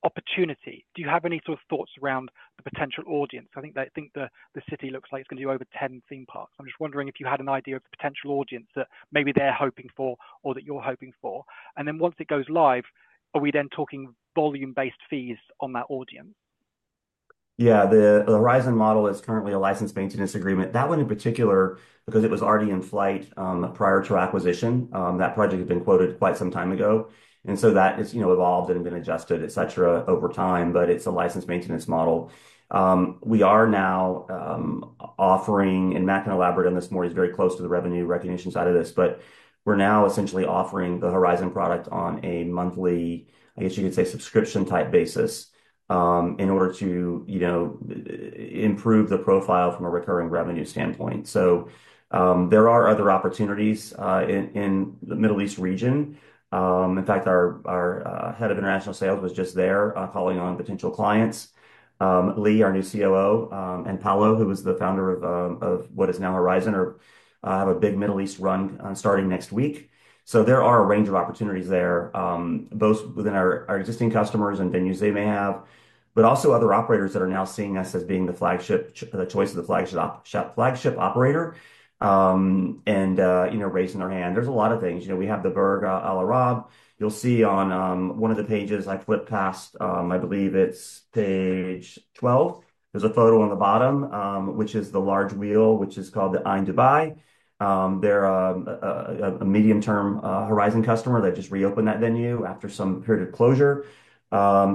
opportunity. Do you have any sort of thoughts around the potential audience? I think the city looks like it's going to be over 10 theme parks. I'm just wondering if you had an idea of the potential audience that maybe they're hoping for or that you're hoping for. Once it goes live, are we then talking volume-based fees on that audience? Yeah. The Horizon model is currently a licensed maintenance agreement. That one, in particular, because it was already in flight prior to acquisition, that project had been quoted quite some time ago. That has evolved and been adjusted, etc., over time, but it's a licensed maintenance model. We are now offering, and Matt can elaborate on this more, he's very close to the revenue recognition side of this, but we're now essentially offering the Horizon product on a monthly, I guess you could say, subscription-type basis in order to improve the profile from a recurring revenue standpoint. There are other opportunities in the Middle East region. In fact, our Head of International Sales was just there calling on potential clients, Lee, our new COO, and Paolo, who was the founder of what is now Horizon, have a big Middle East run starting next week. There are a range of opportunities there, both within our existing customers and venues they may have, but also other operators that are now seeing us as being the flagship, the choice of the flagship operator and raising their hand. There's a lot of things. We have the Burj Al Arab. You'll see on one of the pages, I flipped past, I believe it's page 12. There's a photo on the bottom, which is the large wheel, which is called the Ain Dubai. They're a medium-term Horizon customer. They just reopened that venue after some period of closure. We are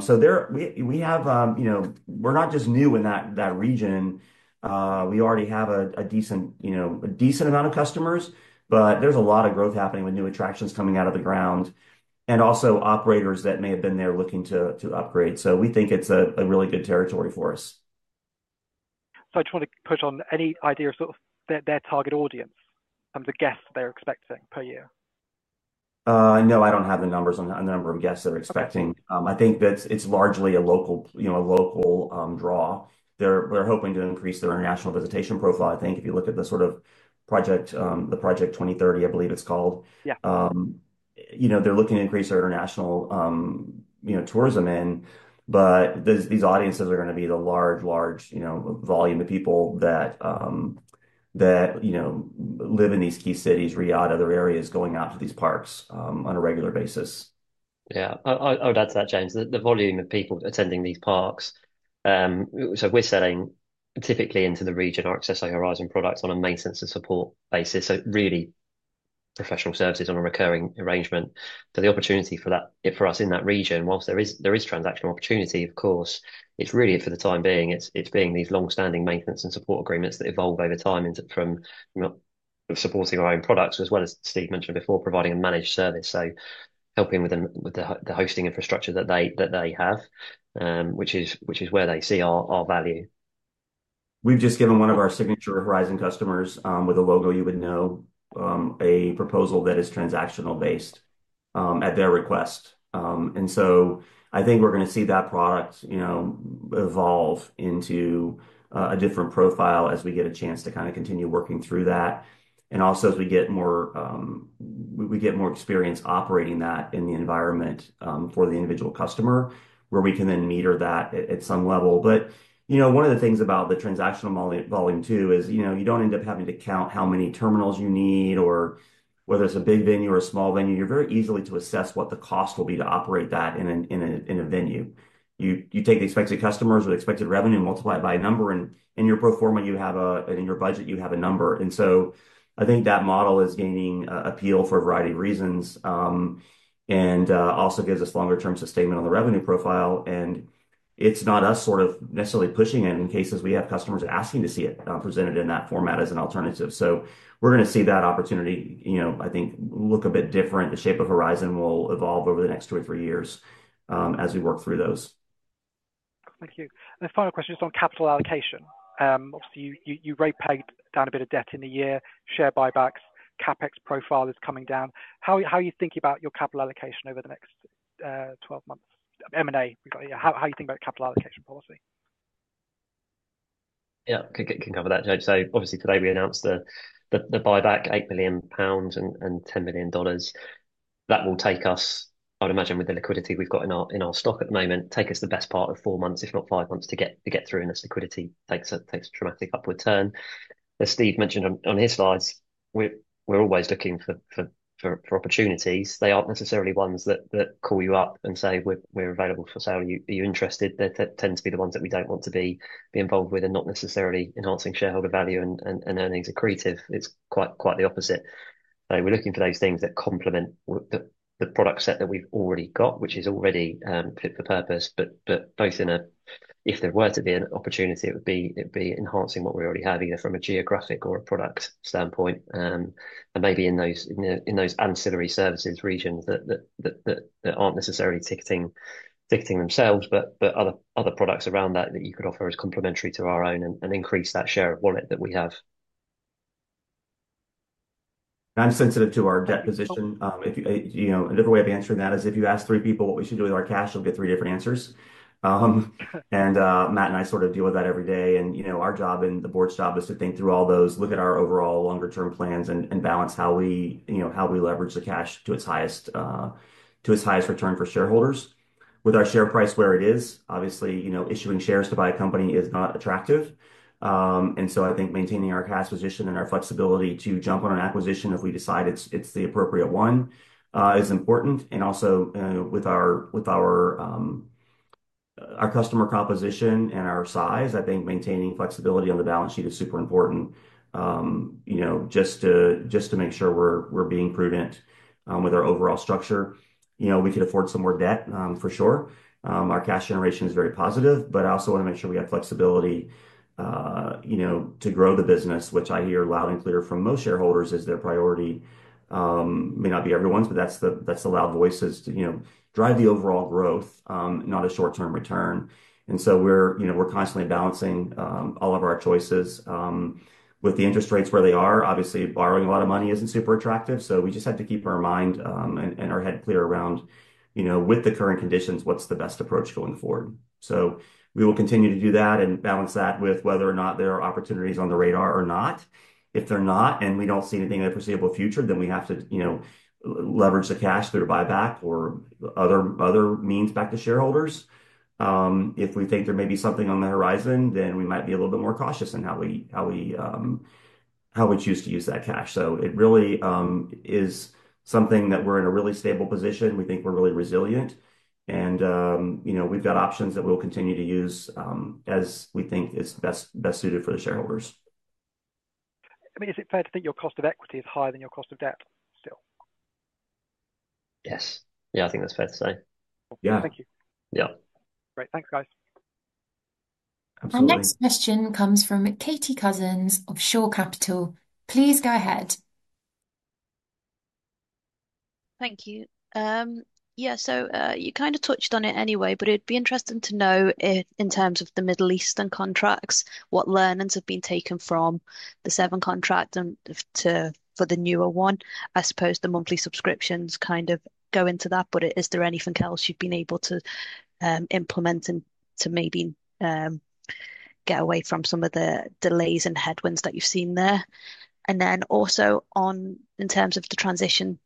not just new in that region. We already have a decent amount of customers, but there's a lot of growth happening with new attractions coming out of the ground and also operators that may have been there looking to upgrade. We think it's a really good territory for us. I just want to push on any idea of sort of their target audience and the guests they're expecting per year. No, I don't have the numbers on the number of guests they're expecting. I think that it's largely a local draw. They're hoping to increase their international visitation profile. I think if you look at the sort of project, the Vision 2030, I believe it's called, they're looking to increase their international tourism in. These audiences are going to be the large, large volume of people that live in these key cities, Riyadh, other areas going out to these parks on a regular basis. Yeah. That's that, James. The volume of people attending these parks. We're selling typically into the region our Accesso Horizon products on a maintenance and support basis, so really professional services on a recurring arrangement. The opportunity for us in that region, whilst there is transactional opportunity, of course, it's really for the time being. It's these long-standing maintenance and support agreements that evolve over time from supporting our own products, as well as Steve mentioned before, providing a managed service. Helping with the hosting infrastructure that they have, which is where they see our value. We've just given one of our signature Horizon customers with a logo you would know, a proposal that is transactional-based at their request. I think we're going to see that product evolve into a different profile as we get a chance to kind of continue working through that. Also, as we get more—we get more experience operating that in the environment for the individual customer, where we can then meter that at some level. One of the things about the transactional volume, too, is you do not end up having to count how many terminals you need or whether it is a big venue or a small venue. You are very easily able to assess what the cost will be to operate that in a venue. You take the expected customers or the expected revenue and multiply it by a number. In your pro forma, you have a—in your budget, you have a number. I think that model is gaining appeal for a variety of reasons and also gives us longer-term sustainment on the revenue profile. It is not us sort of necessarily pushing it in cases we have customers asking to see it presented in that format as an alternative. We are going to see that opportunity, I think, look a bit different. The shape of Horizon will evolve over the next two or three years as we work through those. Thank you. A final question just on capital allocation. Obviously, you paid down a bit of debt in the year, share buybacks, CapEx profile is coming down. How are you thinking about your capital allocation over the next 12 months? M&A, how are you thinking about capital allocation policy? Yeah, I can cover that, James. Obviously, today we announced the buyback, 8 million pounds and $10 million. That will take us, I would imagine, with the liquidity we've got in our stock at the moment, take us the best part of four months, if not five months, to get through in this liquidity. It takes a dramatic upward turn. As Steve mentioned on his slides, we're always looking for opportunities. They aren't necessarily ones that call you up and say, "We're available for sale. Are you interested?" They tend to be the ones that we don't want to be involved with and not necessarily enhancing shareholder value and earnings accretive. It's quite the opposite. We're looking for those things that complement the product set that we've already got, which is already fit for purpose. If there were to be an opportunity, it would be enhancing what we already have, either from a geographic or a product standpoint. Maybe in those ancillary services regions that aren't necessarily ticketing themselves, but other products around that that you could offer as complementary to our own and increase that share of wallet that we have. Sensitive to our debt position. Another way of answering that is if you ask three people what we should do with our cash, you'll get three different answers. Matt and I sort of deal with that every day. Our job and the board's job is to think through all those, look at our overall longer-term plans and balance how we leverage the cash to its highest return for shareholders. With our share price where it is, obviously, issuing shares to buy a company is not attractive. I think maintaining our cash position and our flexibility to jump on an acquisition if we decide it's the appropriate one is important. Also, with our customer composition and our size, I think maintaining flexibility on the balance sheet is super important just to make sure we're being prudent with our overall structure. We could afford some more debt, for sure. Our cash generation is very positive, but I also want to make sure we have flexibility to grow the business, which I hear loud and clear from most shareholders is their priority. May not be everyone's, but that's the loud voices to drive the overall growth, not a short-term return. We are constantly balancing all of our choices. With the interest rates where they are, obviously, borrowing a lot of money isn't super attractive. We just have to keep our mind and our head clear around, with the current conditions, what's the best approach going forward. We will continue to do that and balance that with whether or not there are opportunities on the radar or not. If they're not and we do not see anything in the foreseeable future, then we have to leverage the cash through buyback or other means back to shareholders. If we think there may be something on the Horizon, then we might be a little bit more cautious in how we choose to use that cash. It really is something that we're in a really stable position. We think we're really resilient. We have options that we'll continue to use as we think is best suited for the shareholders. I mean, is it fair to think your cost of equity is higher than your cost of debt still? Yes. Yeah, I think that's fair to say. Yeah. Thank you. Yeah. Great. Thanks, guys. Absolutely. Our next question comes from Katie Cousins of Shore Capital. Please go ahead. Thank you. Yeah, you kind of touched on it anyway, but it'd be interesting to know in terms of the Middle Eastern contracts, what learnings have been taken from the SEVEN contracts for the newer one. I suppose the monthly subscriptions kind of go into that, but is there anything else you've been able to implement to maybe get away from some of the delays and headwinds that you've seen there? Also, in terms of the transition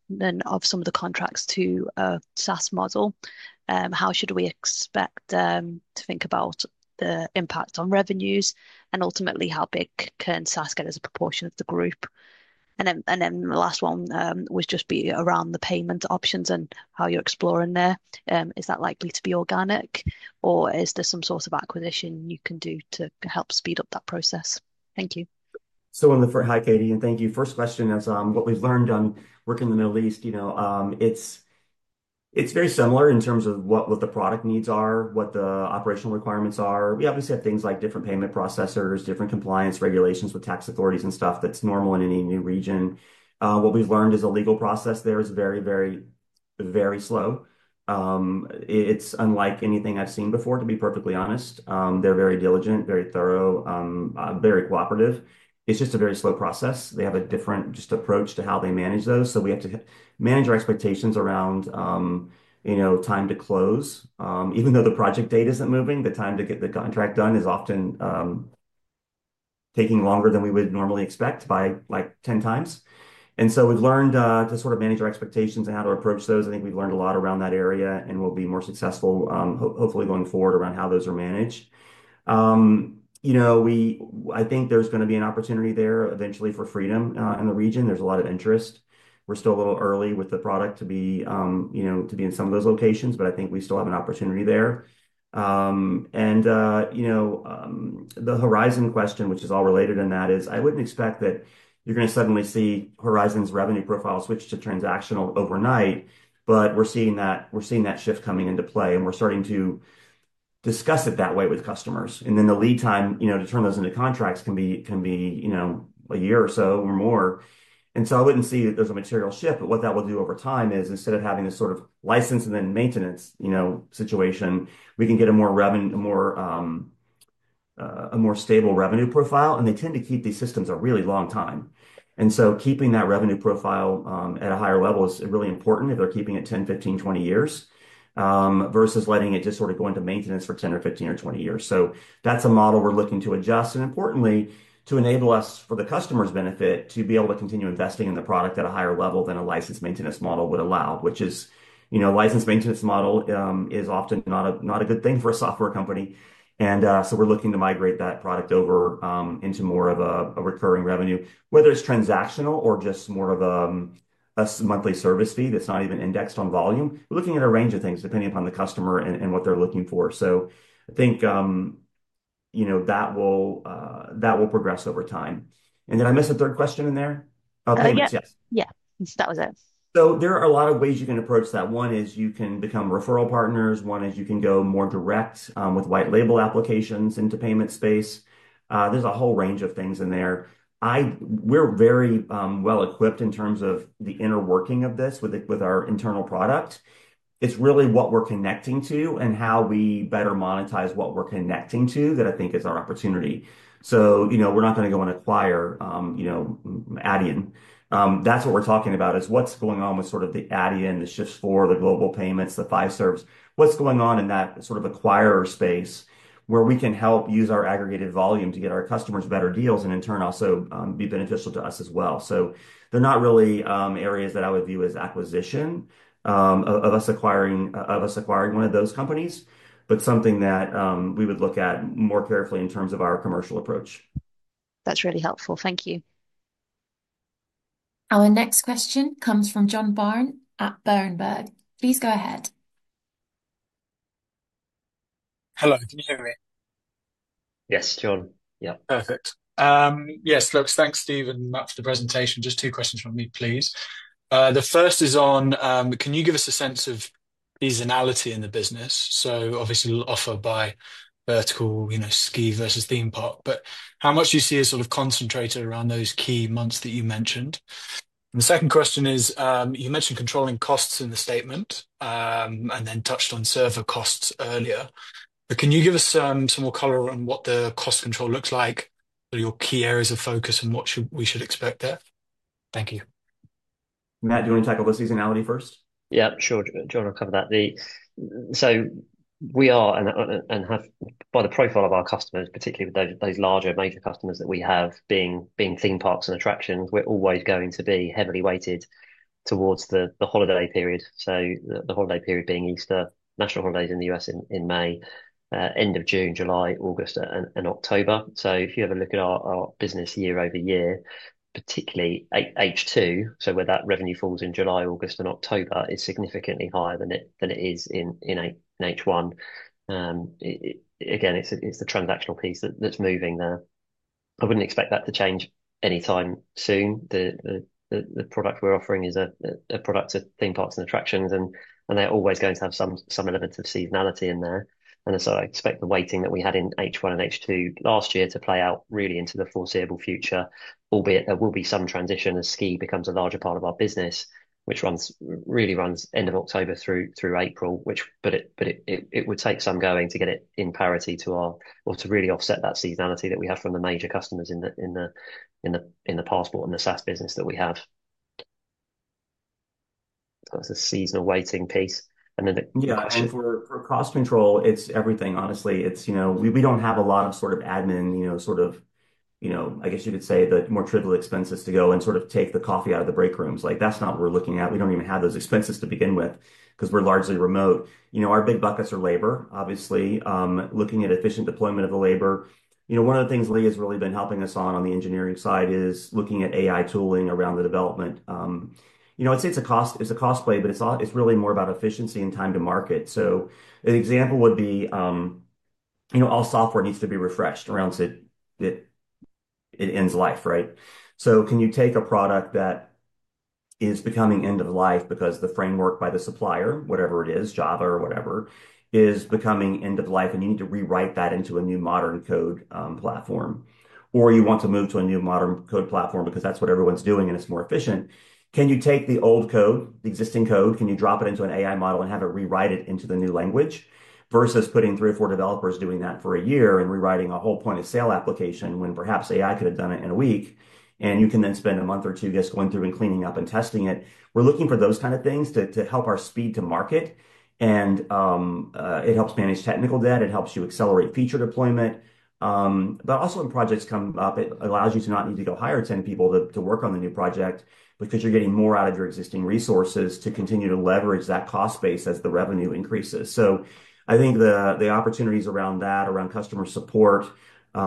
of some of the contracts to a SaaS model, how should we expect to think about the impact on revenues? Ultimately, how big can SaaS get as a proportion of the group? The last one would just be around the payment options and how you're exploring there. Is that likely to be organic, or is there some sort of acquisition you can do to help speed up that process? Thank you. Still on the floor. Hi, Katie. Thank you. First question is what we've learned on working in the Middle East. It's very similar in terms of what the product needs are, what the operational requirements are. We obviously have things like different payment processors, different compliance regulations with tax authorities and stuff that's normal in any new region. What we've learned is a legal process there is very, very, very slow. It's unlike anything I've seen before, to be perfectly honest. They're very diligent, very thorough, very cooperative. It's just a very slow process. They have a different just approach to how they manage those. We have to manage our expectations around time to close. Even though the project date is not moving, the time to get the contract done is often taking longer than we would normally expect by like 10x. We have learned to sort of manage our expectations and how to approach those. I think we have learned a lot around that area and will be more successful, hopefully, going forward around how those are managed. I think there is going to be an opportunity there eventually for Freedom in the region. There is a lot of interest. We are still a little early with the product to be in some of those locations, but I think we still have an opportunity there. The Horizon question, which is all related in that, is I would not expect that you are going to suddenly see Horizon's revenue profile switch to transactional overnight, but we are seeing that shift coming into play, and we are starting to discuss it that way with customers. The lead time to turn those into contracts can be a year or so or more. I would not see that there is a material shift, but what that will do over time is instead of having this sort of license and then maintenance situation, we can get a more stable revenue profile, and they tend to keep these systems a really long time. Keeping that revenue profile at a higher level is really important if they are keeping it 10, 15, 20 years versus letting it just sort of go into maintenance for 10 or 15 or 20 years. That is a model we're looking to adjust. Importantly, to enable us for the customer's benefit to be able to continue investing in the product at a higher level than a licensed maintenance model would allow, which is a licensed maintenance model is often not a good thing for a software company. We are looking to migrate that product over into more of a recurring revenue, whether it's transactional or just more of a monthly service fee that's not even indexed on volume. We're looking at a range of things depending upon the customer and what they're looking for. I think that will progress over time. Did I miss a third question in there? Oh, yes. Yes. Yeah. That was it. There are a lot of ways you can approach that. One is you can become referral partners. One is you can go more direct with white label applications into payment space. There is a whole range of things in there. We are very well equipped in terms of the inner working of this with our internal product. It is really what we are connecting to and how we better monetize what we are connecting to that I think is our opportunity. We are not going to go and acquire Adyen. That is what we are talking about is what is going on with sort of the Adyen, the Shift4, the Global Payments, the Fiserv. What is going on in that sort of acquirer space where we can help use our aggregated volume to get our customers better deals and in turn also be beneficial to us as well. They are not really areas that I would view as acquisition of us acquiring one of those companies, but something that we would look at more carefully in terms of our commercial approach. That's really helpful. Thank you. Our next question comes from John Barn at Berenberg. Please go ahead. Hello. Can you hear me? Yes, John. Yeah. Perfect. Yes, folks, thanks, Steve, and much for the presentation. Just two questions from me, please. The first is on, can you give us a sense of seasonality in the business? Obviously, offer by vertical, ski versus theme park, but how much do you see as sort of concentrated around those key months that you mentioned? The second question is, you mentioned controlling costs in the statement and then touched on server costs earlier. Can you give us some more color on what the cost control looks like, your key areas of focus, and what we should expect there? Thank you. Matt, do you want to tackle the seasonality first? Yeah, sure. John will cover that. We are and have by the profile of our customers, particularly with those larger major customers that we have being theme parks and attractions, we're always going to be heavily weighted towards the holiday period. The holiday period being Easter, national holidays in the U.S. in May, end of June, July, August, and October. If you have a look at our business year over year, particularly H2, where that revenue falls in July, August, and October is significantly higher than it is in H1. Again, it's the transactional piece that's moving there. I wouldn't expect that to change anytime soon. The product we're offering is a product of theme parks and attractions, and they're always going to have some element of seasonality in there. I expect the weighting that we had in H1 and H2 last year to play out really into the foreseeable future, albeit there will be some transition as ski becomes a larger part of our business, which really runs end of October through April, but it would take some going to get it in parity to our or to really offset that seasonality that we have from the major customers in the Passport and the SaaS business that we have. It is a seasonal weighting piece. The cost control, it's everything, honestly. We don't have a lot of sort of admin, sort of, I guess you could say, the more trivial expenses to go and sort of take the coffee out of the break rooms. That's not what we're looking at. We don't even have those expenses to begin with because we're largely remote. Our big buckets are labor, obviously. Looking at efficient deployment of the labor, one of the things Lee has really been helping us on on the engineering side is looking at AI tooling around the development. I'd say it's a cost play, but it's really more about efficiency and time to market. An example would be all software needs to be refreshed around it ends life, right? Can you take a product that is becoming end of life because the framework by the supplier, whatever it is, Java or whatever, is becoming end of life and you need to rewrite that into a new modern code platform? Or you want to move to a new modern code platform because that's what everyone's doing and it's more efficient. Can you take the old code, the existing code, can you drop it into an AI model and have it rewrite it into the new language versus putting three or four developers doing that for a year and rewriting a whole point of sale application when perhaps AI could have done it in a week? You can then spend a month or two, I guess, going through and cleaning up and testing it. We're looking for those kinds of things to help our speed to market. It helps manage technical debt. It helps you accelerate feature deployment. When projects come up, it allows you to not need to go hire 10 people to work on the new project because you're getting more out of your existing resources to continue to leverage that cost base as the revenue increases. I think the opportunities around that, around customer support, we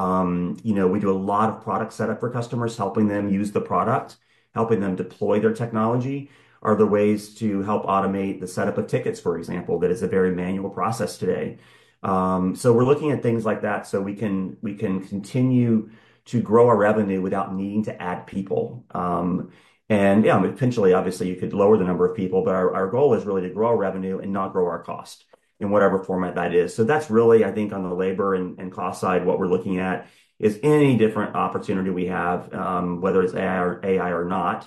do a lot of product setup for customers, helping them use the product, helping them deploy their technology are the ways to help automate the setup of tickets, for example, that is a very manual process today. We are looking at things like that so we can continue to grow our revenue without needing to add people. Yeah, potentially, obviously, you could lower the number of people, but our goal is really to grow our revenue and not grow our cost in whatever format that is. That's really, I think, on the labor and cost side, what we're looking at is any different opportunity we have, whether it's AI or not,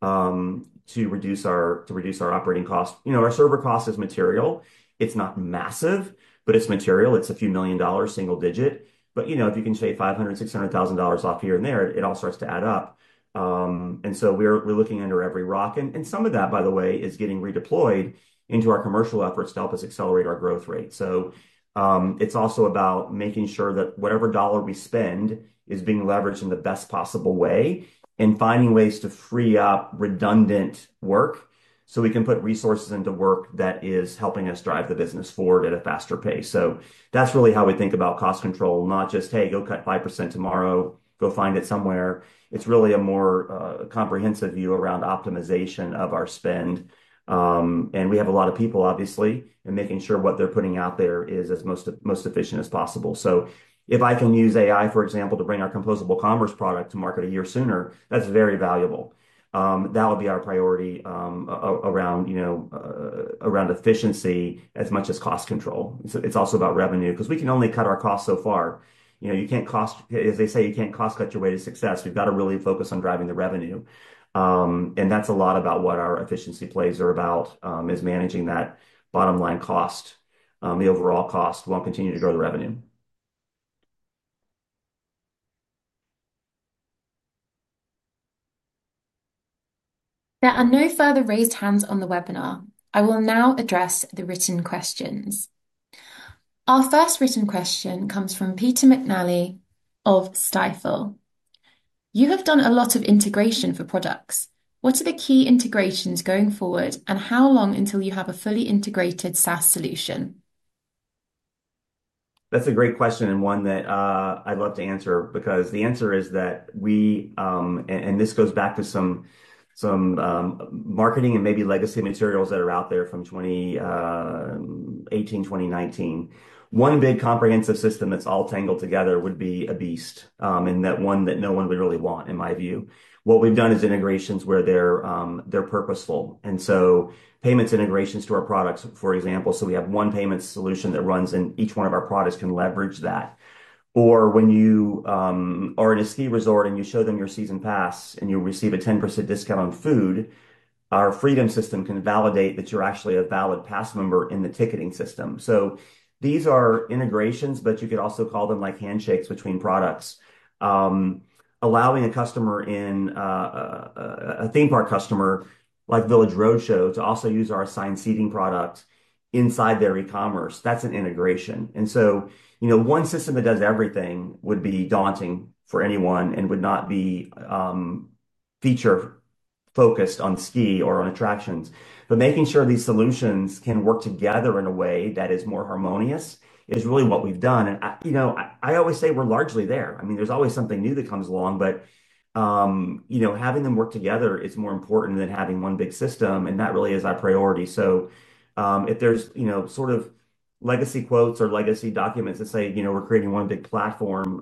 to reduce our operating costs. Our server cost is material. It's not massive, but it's material. It's a few million dollars, single digit. If you can shave $500,000-$600,000 off here and there, it all starts to add up. We're looking under every rock. Some of that, by the way, is getting redeployed into our commercial efforts to help us accelerate our growth rate. It is also about making sure that whatever dollar we spend is being leveraged in the best possible way and finding ways to free up redundant work so we can put resources into work that is helping us drive the business forward at a faster pace. That is really how we think about cost control, not just, "Hey, go cut 5% tomorrow. Go find it somewhere." It is really a more comprehensive view around optimization of our spend. We have a lot of people, obviously, and making sure what they are putting out there is as most efficient as possible. If I can use AI, for example, to bring our composable commerce product to market a year sooner, that is very valuable. That would be our priority around efficiency as much as cost control. It is also about revenue because we can only cut our costs so far. You can't cost, as they say, you can't cost cut your way to success. We've got to really focus on driving the revenue. That's a lot about what our efficiency plays are about, is managing that bottom line cost, the overall cost, while continuing to grow the revenue. There are no further raised hands on the webinar. I will now address the written questions. Our first written question comes from Patrick McNally of Stifel. You have done a lot of integration for products. What are the key integrations going forward, and how long until you have a fully integrated SaaS solution? That's a great question and one that I'd love to answer because the answer is that we—and this goes back to some marketing and maybe legacy materials that are out there from 2018, 2019. One big comprehensive system that's all tangled together would be a beast, and that one that no one would really want, in my view. What we've done is integrations where they're purposeful. Payments integrations to our products, for example, so we have one payment solution that runs in each one of our products can leverage that. When you are in a ski resort and you show them your season pass and you receive a 10% discount on food, our Freedom system can validate that you're actually a valid pass member in the ticketing system. These are integrations, but you could also call them handshakes between products, allowing a customer in a theme park customer like Village Roadshow to also use our assigned seating product inside their e-commerce. That's an integration. One system that does everything would be daunting for anyone and would not be feature-focused on ski or on attractions. Making sure these solutions can work together in a way that is more harmonious is really what we've done. I always say we're largely there. I mean, there's always something new that comes along, but having them work together is more important than having one big system, and that really is our priority. If there's sort of legacy quotes or legacy documents that say we're creating one big platform,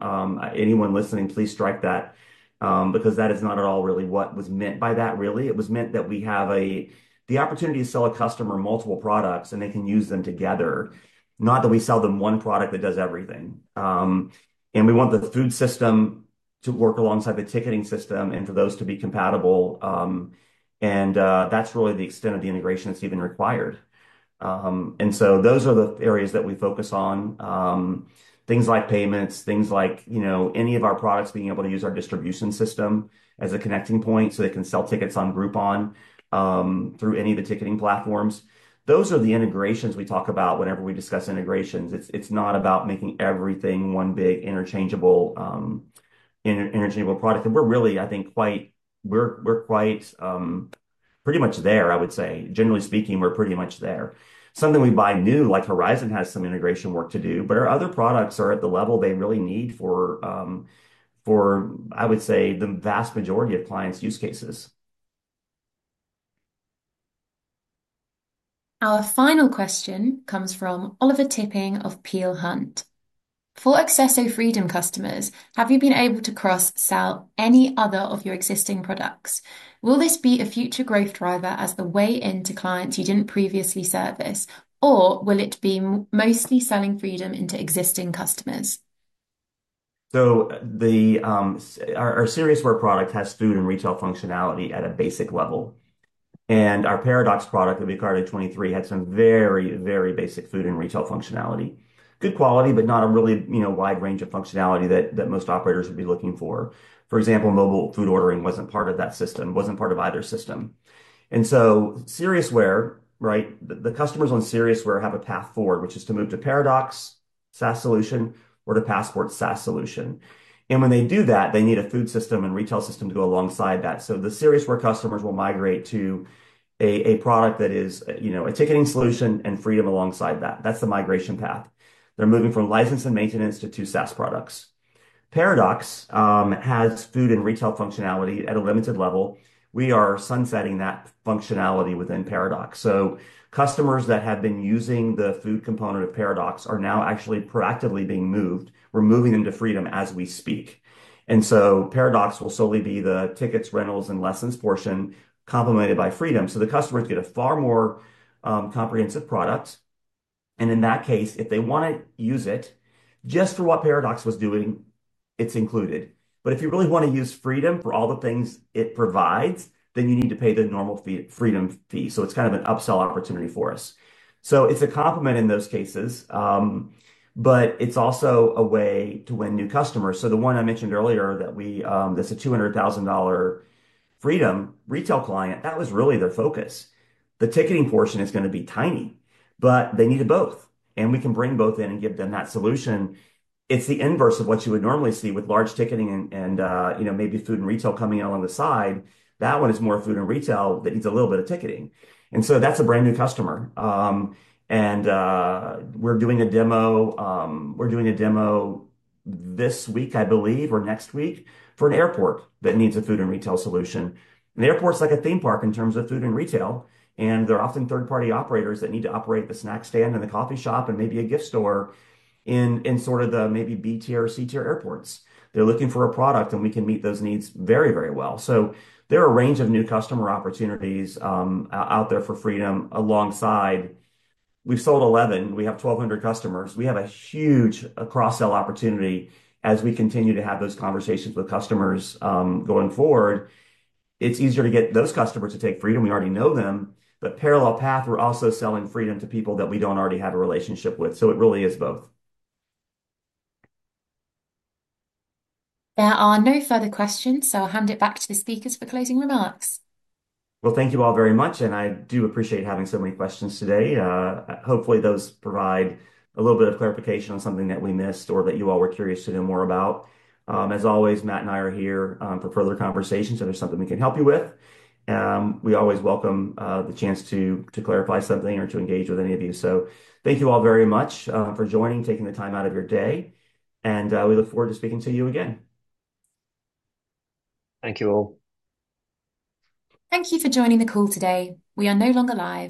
anyone listening, please strike that because that is not at all really what was meant by that, really. It was meant that we have the opportunity to sell a customer multiple products, and they can use them together, not that we sell them one product that does everything. We want the food system to work alongside the ticketing system and for those to be compatible. That is really the extent of the integration that is even required. Those are the areas that we focus on. Things like payments, things like any of our products being able to use our distribution system as a connecting point so they can sell tickets on Groupon through any of the ticketing platforms. Those are the integrations we talk about whenever we discuss integrations. It is not about making everything one big interchangeable product. We are really, I think, quite—we are pretty much there, I would say. Generally speaking, we are pretty much there. Something we buy new, like Horizon, has some integration work to do, but our other products are at the level they really need for, I would say, the vast majority of clients' use cases. Our final question comes from Oliver Tipping of Peel Hunt. For Accesso Freedom customers, have you been able to cross-sell any other of your existing products? Will this be a future growth driver as the way into clients you did not previously service, or will it be mostly selling Freedom into existing customers? Our SiriusWare product has food and retail functionality at a basic level. Our Paradox product that we got in 2023 had some very, very basic food and retail functionality. Good quality, but not a really wide range of functionality that most operators would be looking for. For example, mobile food ordering was not part of that system, was not part of either system. SiriusWare customers have a path forward, which is to move to Paradox SaaS solution or to Passport SaaS solution. When they do that, they need a food system and retail system to go alongside that. The SiriusWare customers will migrate to a product that is a ticketing solution and Freedom alongside that. That is the migration path. They are moving from license and maintenance to two SaaS products. Paradox has food and retail functionality at a limited level. We are sunsetting that functionality within Paradox. Customers that have been using the food component of Paradox are now actually proactively being moved. We are moving them to Freedom as we speak. Paradox will solely be the tickets, rentals, and lessons portion complemented by Freedom. The customers get a far more comprehensive product. In that case, if they want to use it just for what Paradox was doing, it is included. If you really want to use Freedom for all the things it provides, then you need to pay the normal Freedom fee. It is kind of an upsell opportunity for us. It is a complement in those cases, but it is also a way to win new customers. The one I mentioned earlier that is a $200,000 Freedom retail client, that was really their focus. The ticketing portion is going to be tiny, but they need both. We can bring both in and give them that solution. It is the inverse of what you would normally see with large ticketing and maybe food and retail coming in along the side. That one is more food and retail that needs a little bit of ticketing. That is a brand new customer. We're doing a demo this week, I believe, or next week for an airport that needs a food and retail solution. An airport's like a theme park in terms of food and retail. There are often third-party operators that need to operate the snack stand and the coffee shop and maybe a gift store in sort of the maybe B-tier or C-tier airports. They're looking for a product, and we can meet those needs very, very well. There are a range of new customer opportunities out there for Freedom alongside—we've sold 11. We have 1,200 customers. We have a huge cross-sell opportunity as we continue to have those conversations with customers going forward. It's easier to get those customers to take Freedom. We already know them. Parallel Path, we're also selling Freedom to people that we don't already have a relationship with. It really is both. There are no further questions, so I'll hand it back to the speakers for closing remarks. Thank you all very much, and I do appreciate having so many questions today. Hopefully, those provide a little bit of clarification on something that we missed or that you all were curious to know more about. As always, Matt and I are here for further conversations if there's something we can help you with. We always welcome the chance to clarify something or to engage with any of you. Thank you all very much for joining, taking the time out of your day. We look forward to speaking to you again. Thank you all. Thank you for joining the call today. We are no longer live.